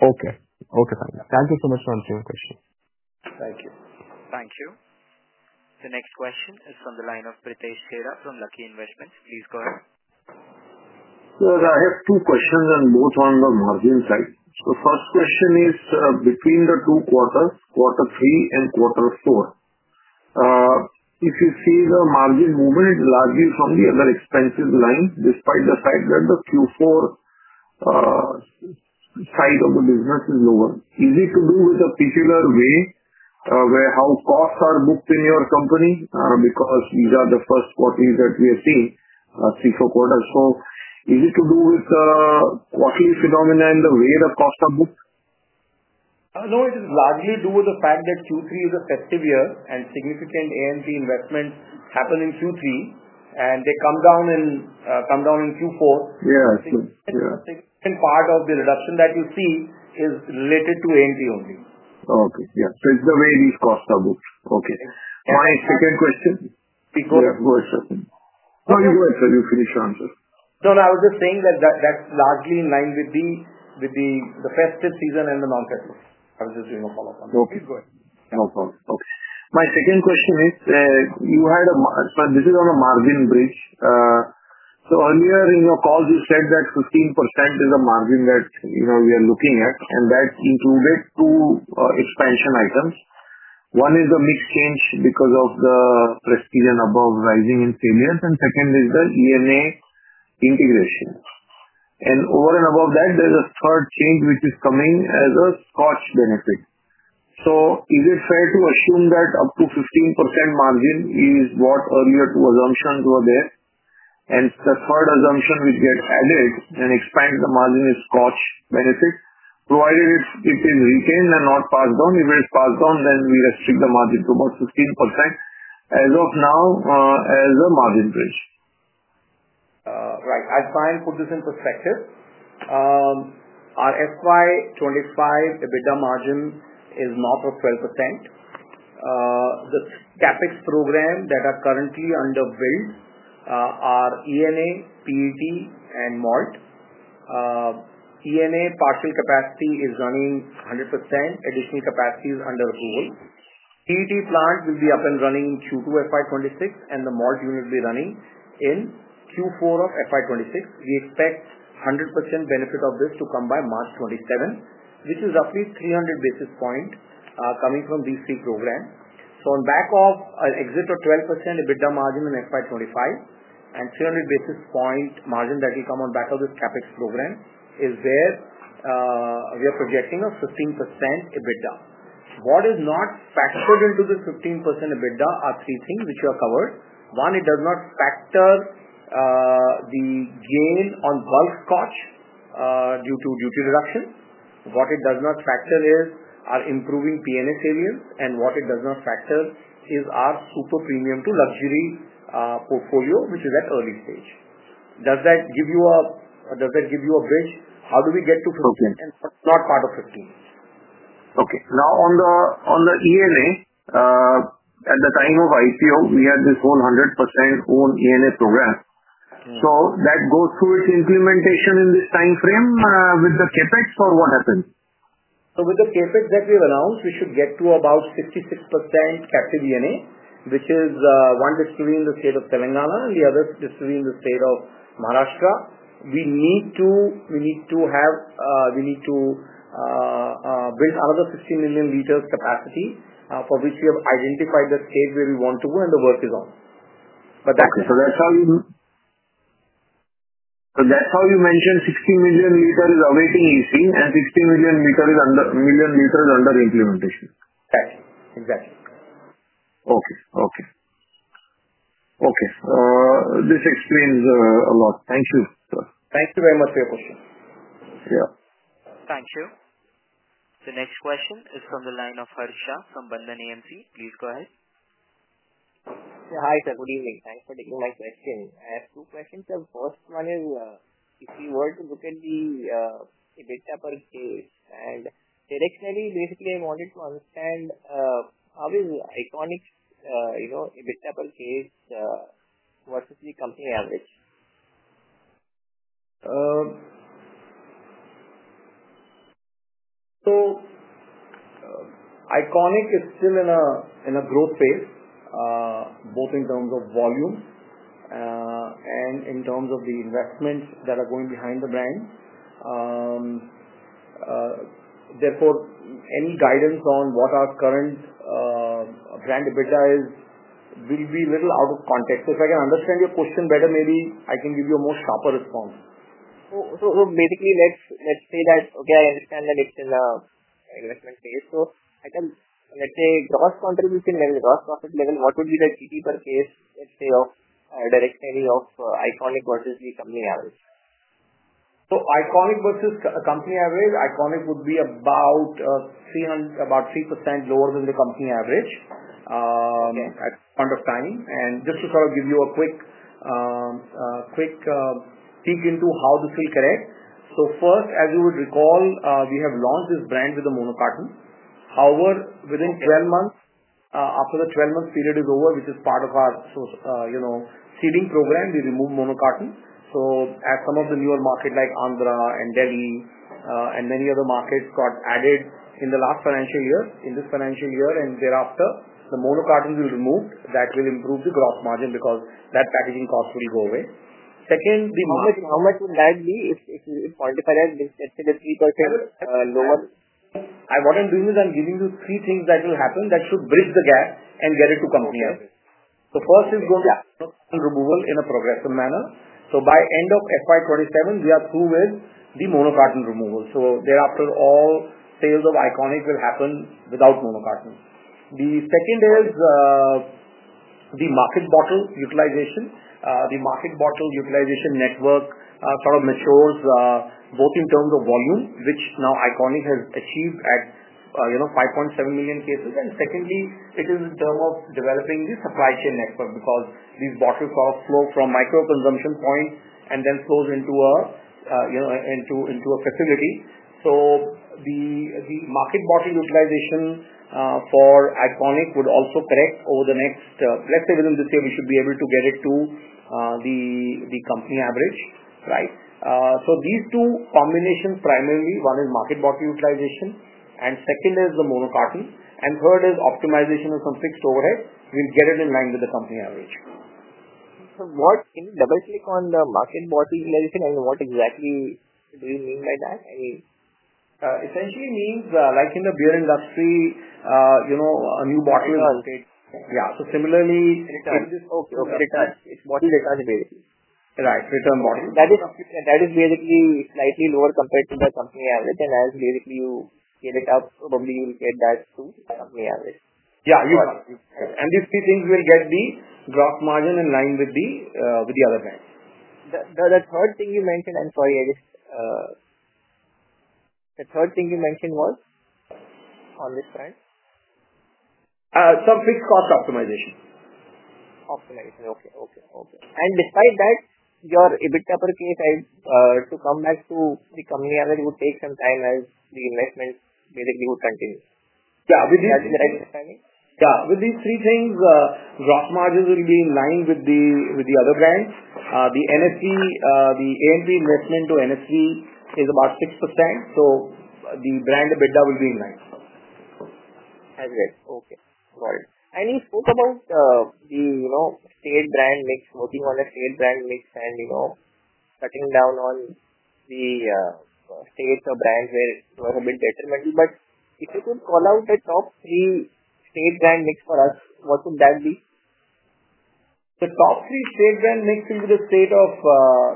Okay. Okay. Thank you so much for answering the question. Thank you. Thank you. The next question is from the line of Pritesh Chheda from Lucky Investments. Please go ahead. I have two questions, both on the margin side. First question is, between the two quarters, quarter three and quarter four, if you see the margin movement, it is largely from the other expenses line, despite the fact that the Q4 side of the business is lower. Is it to do with a particular way where how costs are booked in your company? Because these are the first quarters that we have seen, three, four quarters. Is it to do with the quarterly phenomena and the way the costs are booked? No, it is largely due to the fact that Q3 is a festive year, and significant A&P investments happen in Q3, and they come down in Q4. I think a significant part of the reduction that you see is related to A&P only. Okay. Yeah. So it's the way these costs are booked. Okay. My second question. Please go ahead. No, you go ahead, sir. You finish your answer. No, no. I was just saying that that's largely in line with the festive season and the non-festive. I was just doing a follow-up on that. Please go ahead. No problem. Okay. My second question is, you had a—so this is on a margin bridge. Earlier in your calls, you said that 15% is the margin that we are looking at, and that includes two expansion items. One is the mix change because of the prestige and above rising in volumes, and second is the ENA integration. Over and above that, there is a third change which is coming as a Scotch benefit. Is it fair to assume that up to 15% margin is what the earlier two assumptions were? The third assumption which gets added and expands the margin is Scotch benefit, provided it is retained and not passed down. If it is passed down, then we restrict the margin to about 15% as of now as a margin bridge. Right. I'll try and put this in perspective. Our FY 2025 EBITDA margin is north of 12%. The CapEx program that are currently under build are ENA, PET, and malt. ENA partial capacity is running 100%. Additional capacity is under approval. PET plant will be up and running in Q2 FY 2026, and the malt unit will be running in Q4 of FY 2026. We expect 100% benefit of this to come by March 2027, which is roughly 300 basis points coming from these three programs. On back of an exit of 12% EBITDA margin in FY 2025 and 300 basis point margin that will come on back of this CapEx program is where we are projecting a 15% EBITDA. What is not factored into this 15% EBITDA are three things which are covered. One, it does not factor the gain on bulk Scotch due to duty reduction. What it does not factor is our improving P&A savings, and what it does not factor is our super premium to luxury portfolio, which is at early stage. Does that give you a—does that give you a bridge? How do we get to 15% and not part of 15%? Okay. Now, on the ENA, at the time of IPO, we had this whole 100% own ENA program. So that goes through its implementation in this time frame with the CapEx or what happened? With the CapEx that we have announced, we should get to about 66% captive ENA, which is one distributed in the state of Telangana and the other distributed in the state of Maharashtra. We need to have—we need to build another 16 million liters capacity for which we have identified the state where we want to go, and the work is on. That is it. Okay. So that's how you mentioned 16 million liters is awaiting EC, and 16 million liters is under implementation. Exactly. Exactly. Okay. Okay. Okay. This explains a lot. Thank you, sir. Thank you very much for your question. Yeah. Thank you. The next question is from the line of Harshad from Bandhan AMC. Please go ahead. Hi, sir. Good evening. Thanks for taking my question. I have two questions. The first one is, if you were to look at the EBITDA per case, and directionally, basically, I wanted to understand how is Iconic's EBITDA per case versus the company average? Iconic is still in a growth phase, both in terms of volume and in terms of the investments that are going behind the brand. Therefore, any guidance on what our current brand EBITDA is will be a little out of context. If I can understand your question better, maybe I can give you a more sharper response. So basically, let's say that, okay, I understand that it's in an investment phase. Let's say gross contribution level, gross profit level, what would be the GD per case, let's say, directionally of Iconic versus the company average? Iconic versus company average, Iconic would be about 3% lower than the company average at the point of time. Just to sort of give you a quick peek into how this will correct, first, as you would recall, we have launched this brand with the monocarton. However, within 12 months, after the 12-month period is over, which is part of our seeding program, we remove monocarton. As some of the newer markets like Andhra Pradesh and Delhi and many other markets got added in the last financial year, in this financial year and thereafter, the monocarton will be removed. That will improve the gross margin because that packaging cost will go away. Second, the margin. How much will that be if you quantify that? Let's say the 3% lower. What I'm doing is I'm giving you three things that will happen that should bridge the gap and get it to company average. First is going to be removal in a progressive manner. By end of FY 2027, we are through with the monocarton removal. Thereafter, all sales of Iconic will happen without monocarton. The second is the market bottle utilization. The market bottle utilization network sort of matures both in terms of volume, which now Iconic has achieved at 5.7 million cases. Secondly, it is in terms of developing the supply chain network because these bottles sort of flow from micro consumption point and then flows into a facility. The market bottle utilization for Iconic would also correct over the next, let's say, within this year, we should be able to get it to the company average, right? These two combinations primarily, one is market bottle utilization, and second is the monocarton, and third is optimization of some fixed overhead. We'll get it in line with the company average. Double-click on the market bottle utilization, and what exactly do you mean by that? Essentially means like in the beer industry, a new bottle is created. Return. Yeah. So similarly. Returns. Okay. Okay. Returns. It's bottle returns, basically. Right. Return bottle. That is basically slightly lower compared to the company average, and as basically you scale it up, probably you will get that too, company average. Yeah. You got it. These three things will get the gross margin in line with the other brand. The third thing you mentioned, I'm sorry, I just—the third thing you mentioned was? On this front? Some fixed cost optimization. Optimization. Okay. Okay. Okay. Beside that, your EBITDA per case, to come back to the company average, it would take some time as the investment basically would continue. Yeah. With these three things, gross margins will be in line with the other brands. The A&P investment to NSV is about 6%, so the brand EBITDA will be in line. As well. Okay. Got it. You spoke about the state brand mix, working on a state brand mix and cutting down on the state brands where it was a bit detrimental. If you could call out the top three state brand mix for us, what would that be? The top three state brand mix will be the state of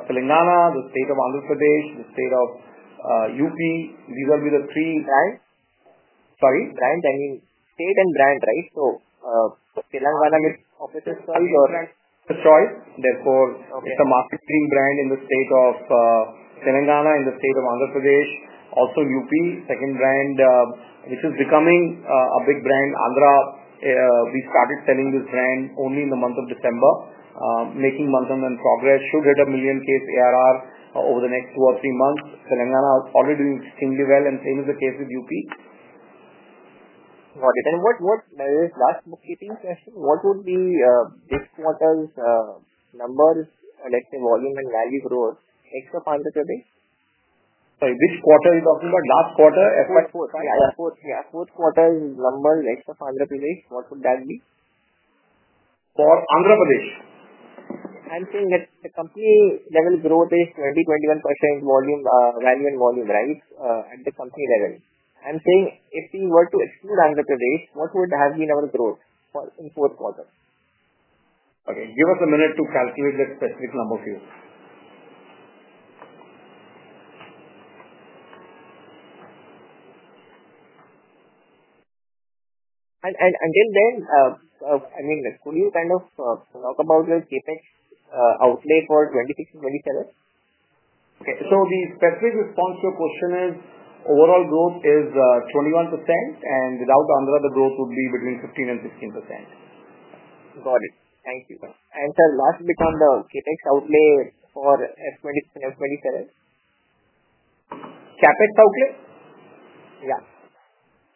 Telangana, the state of Andhra Pradesh, the state of Uttar Pradesh. These will be the three brands. Sorry? Brand? I mean, state and brand, right? Telangana gets the Officer's Choice or? The second brand, Choice. Therefore, it's a marketing brand in the state of Telangana, in the state of Andhra Pradesh, also UP. Second brand, which is becoming a big brand, Andhra. We started selling this brand only in the month of December, making month-on-month progress. Should hit a million case ARR over the next two or three months. Telangana is already doing extremely well, and same is the case with UP. Got it. What—that's the key question. What would be this quarter's numbers, let's say, volume and value growth, except Andhra Pradesh? Sorry. Which quarter are you talking about? Last quarter? Fourth quarter. Yeah. Fourth quarter. Yeah. Fourth quarter's numbers, except Andhra Pradesh. What would that be? For Andhra Pradesh? I'm saying that the company-level growth is 20%-21% value and volume, right, at the company level. I'm saying if we were to exclude Andhra Pradesh, what would have been our growth in fourth quarter? Okay. Give us a minute to calculate that specific number for you. I mean, could you kind of talk about the CapEx outlay for 2026 and 2027? Okay. So the specific response to your question is overall growth is 21%, and without Andhra, the growth would be between 15%-16%. Got it. Thank you. Sir, last bit on the CapEx outlay for F2027? CapEx outlay? Yeah.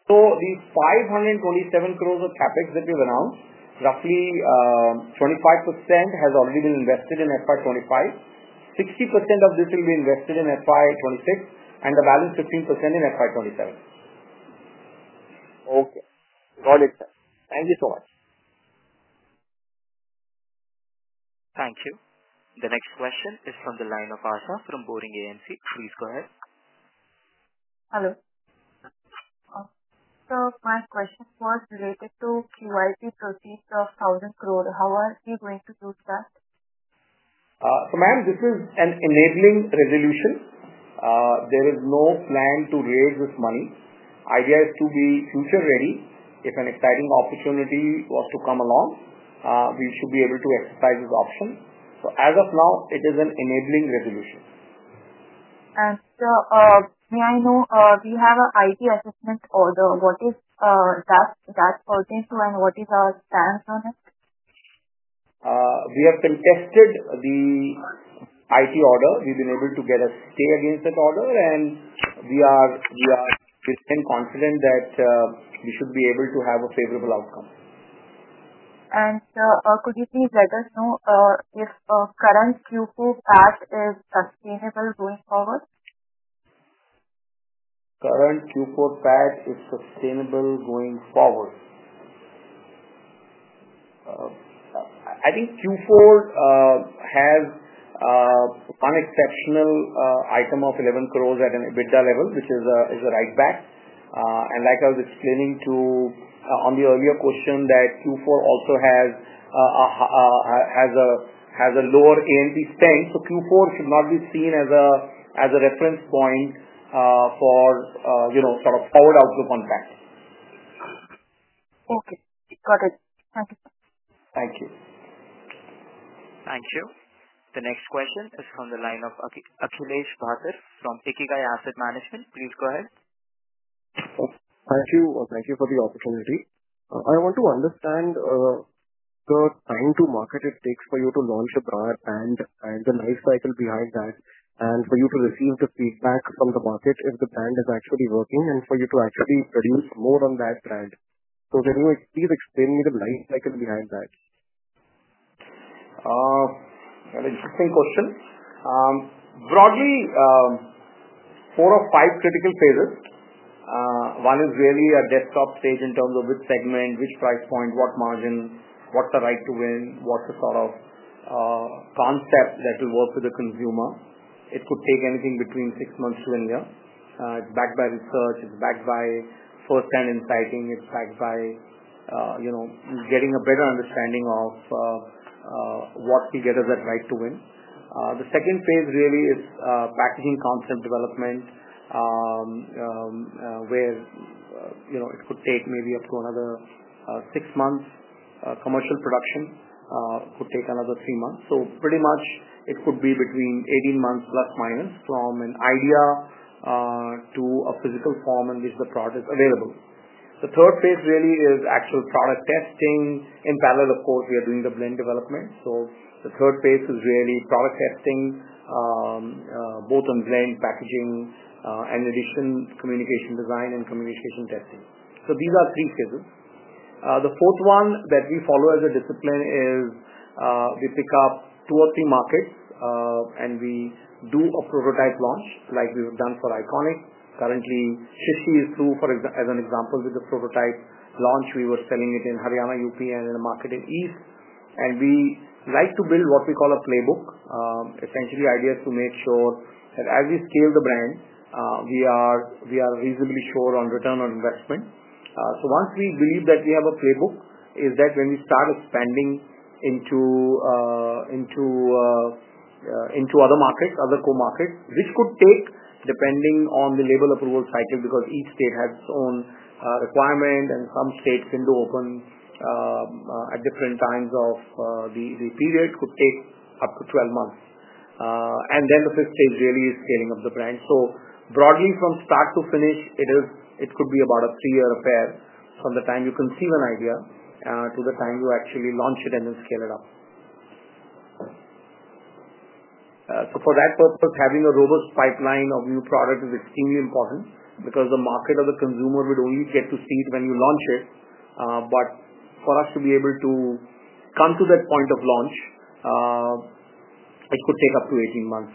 The 527 crore of CapEx that we have announced, roughly 25% has already been invested in FY 2025. 60% of this will be invested in FY 2026, and the balance 15% in FY 2027. Okay. Got it, sir. Thank you so much. Thank you. The next question is from the line of Asa from Boring AMC. Please go ahead. Hello. So my question was related to QIP proceeds of 1,000 crore. How are you going to use that? Ma'am, this is an enabling resolution. There is no plan to raise this money. The idea is to be future-ready. If an exciting opportunity was to come along, we should be able to exercise this option. As of now, it is an enabling resolution. Sir, may I know, we have an IT assessment order. What does that pertain to, and what is our stance on it? We have contested the IT order. We've been able to get a stay against that order, and we are within confidence that we should be able to have a favorable outcome. Sir, could you please let us know if current Q4 PAT is sustainable going forward? Current Q4 PAT is sustainable going forward. I think Q4 has one exceptional item of 11 crore at an EBITDA level, which is a write-back. Like I was explaining to you on the earlier question, Q4 also has a lower A&P spend, so Q4 should not be seen as a reference point for sort of forward outlook on PAT. Okay. Got it. Thank you. Thank you. Thank you. The next question is from the line of Akhilesh Bhatter from Ikigai Asset Management. Please go ahead. Thank you. Thank you for the opportunity. I want to understand the time to market it takes for you to launch a brand and the life cycle behind that, and for you to receive the feedback from the market if the brand is actually working, and for you to actually produce more on that brand. Can you please explain me the life cycle behind that? That's an interesting question. Broadly, four or five critical phases. One is really a desktop stage in terms of which segment, which price point, what margin, what's the right to win, what's the sort of concept that will work with the consumer. It could take anything between six months to a year. It's backed by research. It's backed by first-hand insighting. It's backed by getting a better understanding of what we get as that right to win. The second phase really is packaging concept development, where it could take maybe up to another six months. Commercial production could take another three months. Pretty much, it could be between 18 months plus minus from an idea to a physical form in which the product is available. The third phase really is actual product testing. In parallel, of course, we are doing the blend development. The third phase is really product testing, both in blend packaging, and addition communication design and communication testing. These are three phases. The fourth one that we follow as a discipline is we pick up two or three markets, and we do a prototype launch like we have done for Iconic. Currently, Shrishti is through as an example with the prototype launch. We were selling it in Haryana, UP, and in a market in East. We like to build what we call a playbook. Essentially, the idea is to make sure that as we scale the brand, we are reasonably sure on return on investment. Once we believe that we have a playbook, is that when we start expanding into other markets, other co-markets, which could take, depending on the label approval cycle, because each state has its own requirement, and some states window open at different times of the period, could take up to 12 months. The fifth stage really is scaling up the brand. Broadly, from start to finish, it could be about a three-year affair from the time you conceive an idea to the time you actually launch it and then scale it up. For that purpose, having a robust pipeline of new product is extremely important because the market or the consumer would only get to see it when you launch it. For us to be able to come to that point of launch, it could take up to 18 months.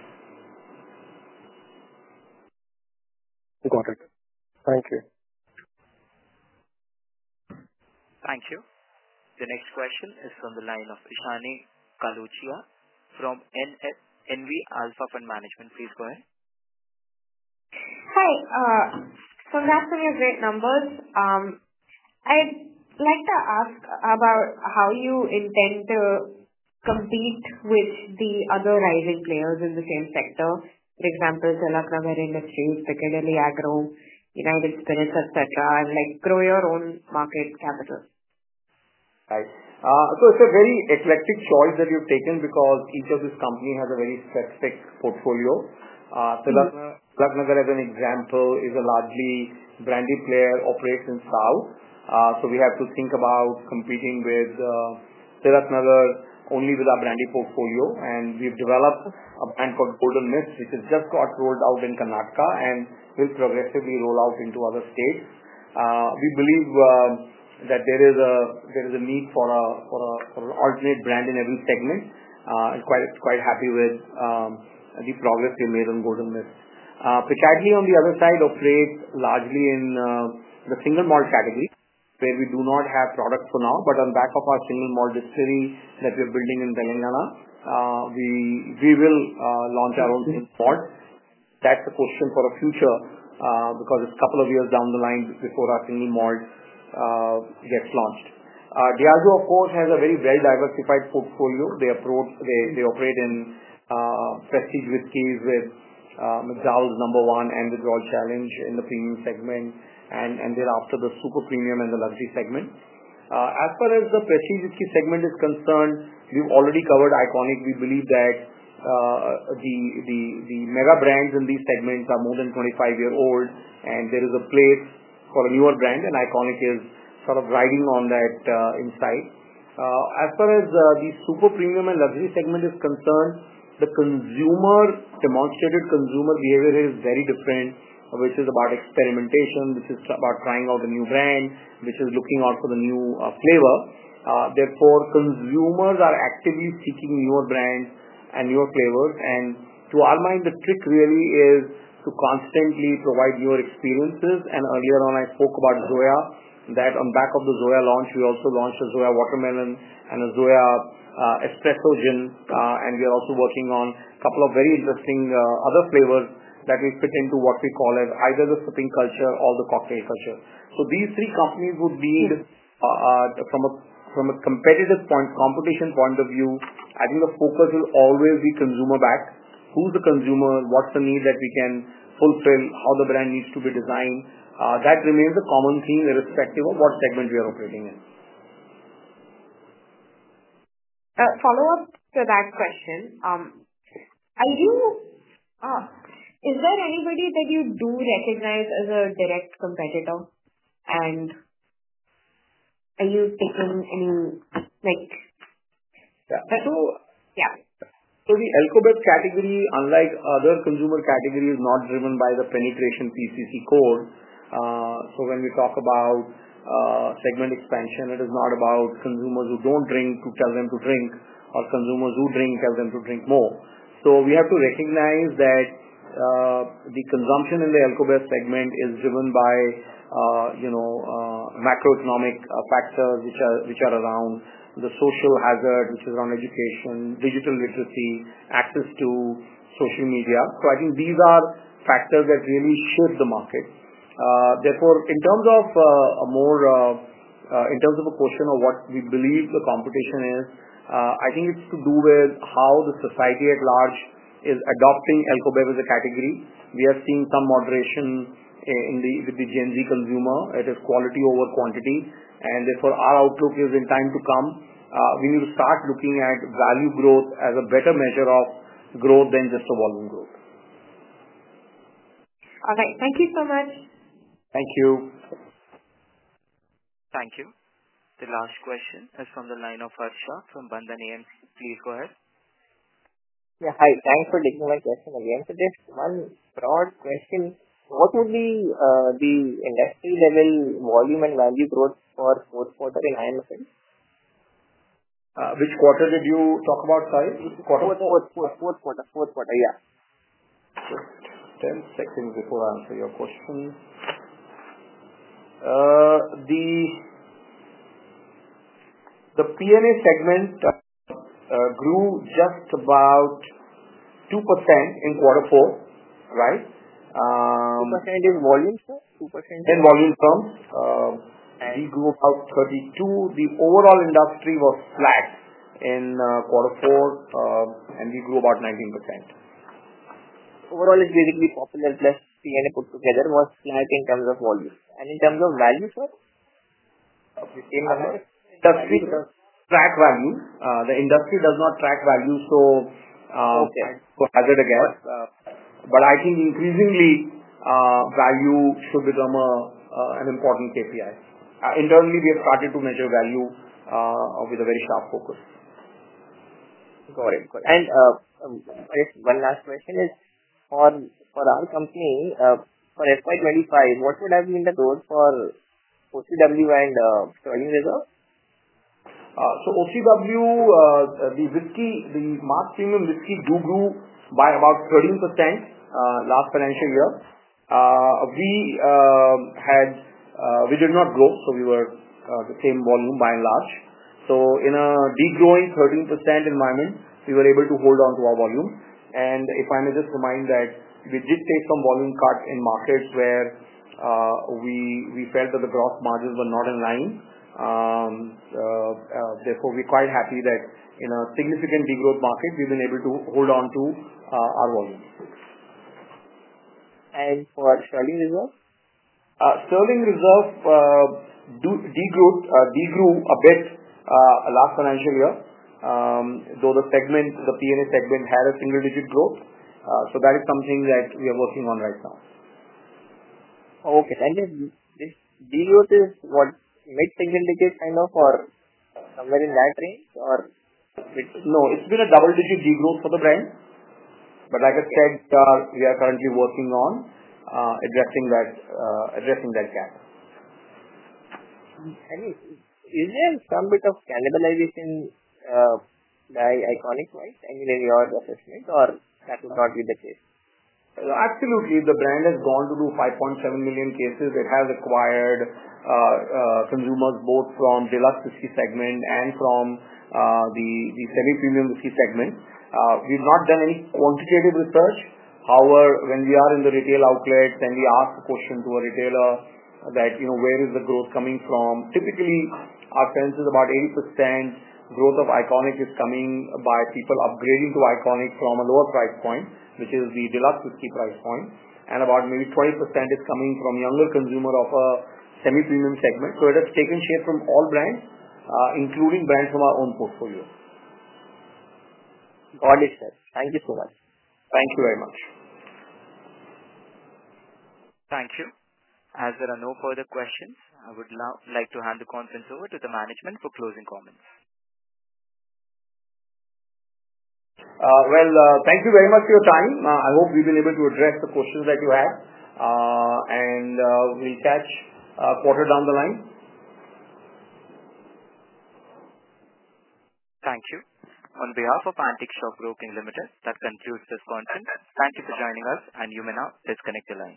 Got it. Thank you. Thank you. The next question is from the line of Ishaani Kaluchia from NV Alpha Fund Management. Please go ahead. Hi. So that's some great numbers. I'd like to ask about how you intend to compete with the other rising players in the same sector, for example, Tilaknagar Industries, Piccadily Agro, United Spirits, etc., and grow your own market capital. Right. It is a very eclectic choice that you have taken because each of these companies has a very specific portfolio. Tilaknagar, as an example, is a largely branded player, operates in South. We have to think about competing with Tilaknagar only with our branded portfolio. We have developed a brand called Golden Mist, which has just got rolled out in Karnataka and will progressively roll out into other states. We believe that there is a need for an alternate brand in every segment. I am quite happy with the progress we made on Golden Mist. Piccadily, on the other side, operates largely in the single malt category, where we do not have products for now. On the back of our single malt distillery that we are building in Telangana, we will launch our own single malt. That's a question for the future because it's a couple of years down the line before our single malt gets launched. Diageo, of course, has a very well-diversified portfolio. They operate in prestige whiskeys with McDowell's number one and with Royal Challenge in the premium segment, and thereafter the super premium and the luxury segment. As far as the prestige whiskey segment is concerned, we've already covered Iconic. We believe that the mega brands in these segments are more than 25 years old, and there is a place for a newer brand, and Iconic is sort of riding on that insight. As far as the super premium and luxury segment is concerned, the demonstrated consumer behavior is very different, which is about experimentation, which is about trying out a new brand, which is looking out for the new flavor. Therefore, consumers are actively seeking newer brands and newer flavors. To our mind, the trick really is to constantly provide newer experiences. Earlier on, I spoke about Zoya. On the back of the Zoya launch, we also launched a Zoya Watermelon and a Zoya Espresso Gin. We are also working on a couple of very interesting other flavors that will fit into what we call either the sipping culture or the cocktail culture. These three companies would be, from a competition point of view, I think the focus will always be consumer back. Who is the consumer? What is the need that we can fulfill? How does the brand need to be designed? That remains a common theme irrespective of what segment we are operating in. Follow-up to that question. Is there anybody that you do recognize as a direct competitor? Are you taking any? Yeah. So the Alcobet category, unlike other consumer categories, is not driven by the penetration PCC core. When we talk about segment expansion, it is not about consumers who do not drink to tell them to drink or consumers who drink tell them to drink more. We have to recognize that the consumption in the Alcobet segment is driven by macroeconomic factors, which are around the social hazard, which is around education, digital literacy, access to social media. I think these are factors that really shape the market. Therefore, in terms of a question of what we believe the competition is, I think it is to do with how the society at large is adopting Alcobet as a category. We are seeing some moderation with the Gen Z consumer. It is quality over quantity. Therefore, our outlook is in time to come. We need to start looking at value growth as a better measure of growth than just a volume growth. All right. Thank you so much. Thank you. Thank you. The last question is from the line of Harshad from Bandhan AMC. Please go ahead. Yeah. Hi. Thanks for taking my question again. Just one broad question. What would be the industry-level volume and value growth for fourth quarter in IMFL? Which quarter did you talk about, sorry? Fourth quarter. Yeah. Just 10 seconds before I answer your question. The P&A segment grew just about 2% in quarter four, right? 2% in volume, sir? 2%? In volume terms, we grew about 32. The overall industry was flat in quarter four, and we grew about 19%. Overall, it's basically popular plus P&A put together was flat in terms of volume. In terms of value, sir? The same number? The industry does not track value. The industry does not track value, so I'd go hazard again. I think increasingly, value should become an important KPI. Internally, we have started to measure value with a very sharp focus. Got it. Got it. Just one last question is, for our company, for FY 2025, what would have been the growth for OCW and Sterling Reserve? OCW, the mass premium whiskey, grew by about 13% last financial year. We did not grow, so we were the same volume by and large. In a degrowing 13% environment, we were able to hold on to our volume. If I may just remind that we did take some volume cut in markets where we felt that the gross margins were not in line. Therefore, we are quite happy that in a significant degrowth market, we have been able to hold on to our volume. For Sterling Reserve? Sterling Reserve degrew a bit last financial year, though the P&A segment had a single-digit growth. That is something that we are working on right now. Okay. This degrowth is what, mid-single digit kind of or somewhere in that range? No. It's been a double-digit degrowth for the brand. Like I said, we are currently working on addressing that gap. Is there some bit of cannibalization by Iconic White, I mean, in your assessment, or that would not be the case? Absolutely. The brand has gone to do 5.7 million cases. It has acquired consumers both from deluxe whiskey segment and from the semi-premium whiskey segment. We've not done any quantitative research. However, when we are in the retail outlet, then we ask the question to a retailer that, "Where is the growth coming from?" Typically, our sense is about 80% growth of Iconic is coming by people upgrading to Iconic from a lower price point, which is the deluxe whiskey price point. About maybe 20% is coming from younger consumers of a semi-premium segment. It has taken shape from all brands, including brands from our own portfolio. Got it, sir. Thank you so much. Thank you very much. Thank you. As there are no further questions, I would like to hand the conference over to the management for closing comments. Thank you very much for your time. I hope we've been able to address the questions that you have. We'll catch quarter down the line. Thank you. On behalf of Antique Stock Broking Limited, that concludes this conference. Thank you for joining us, and you may now disconnect the line.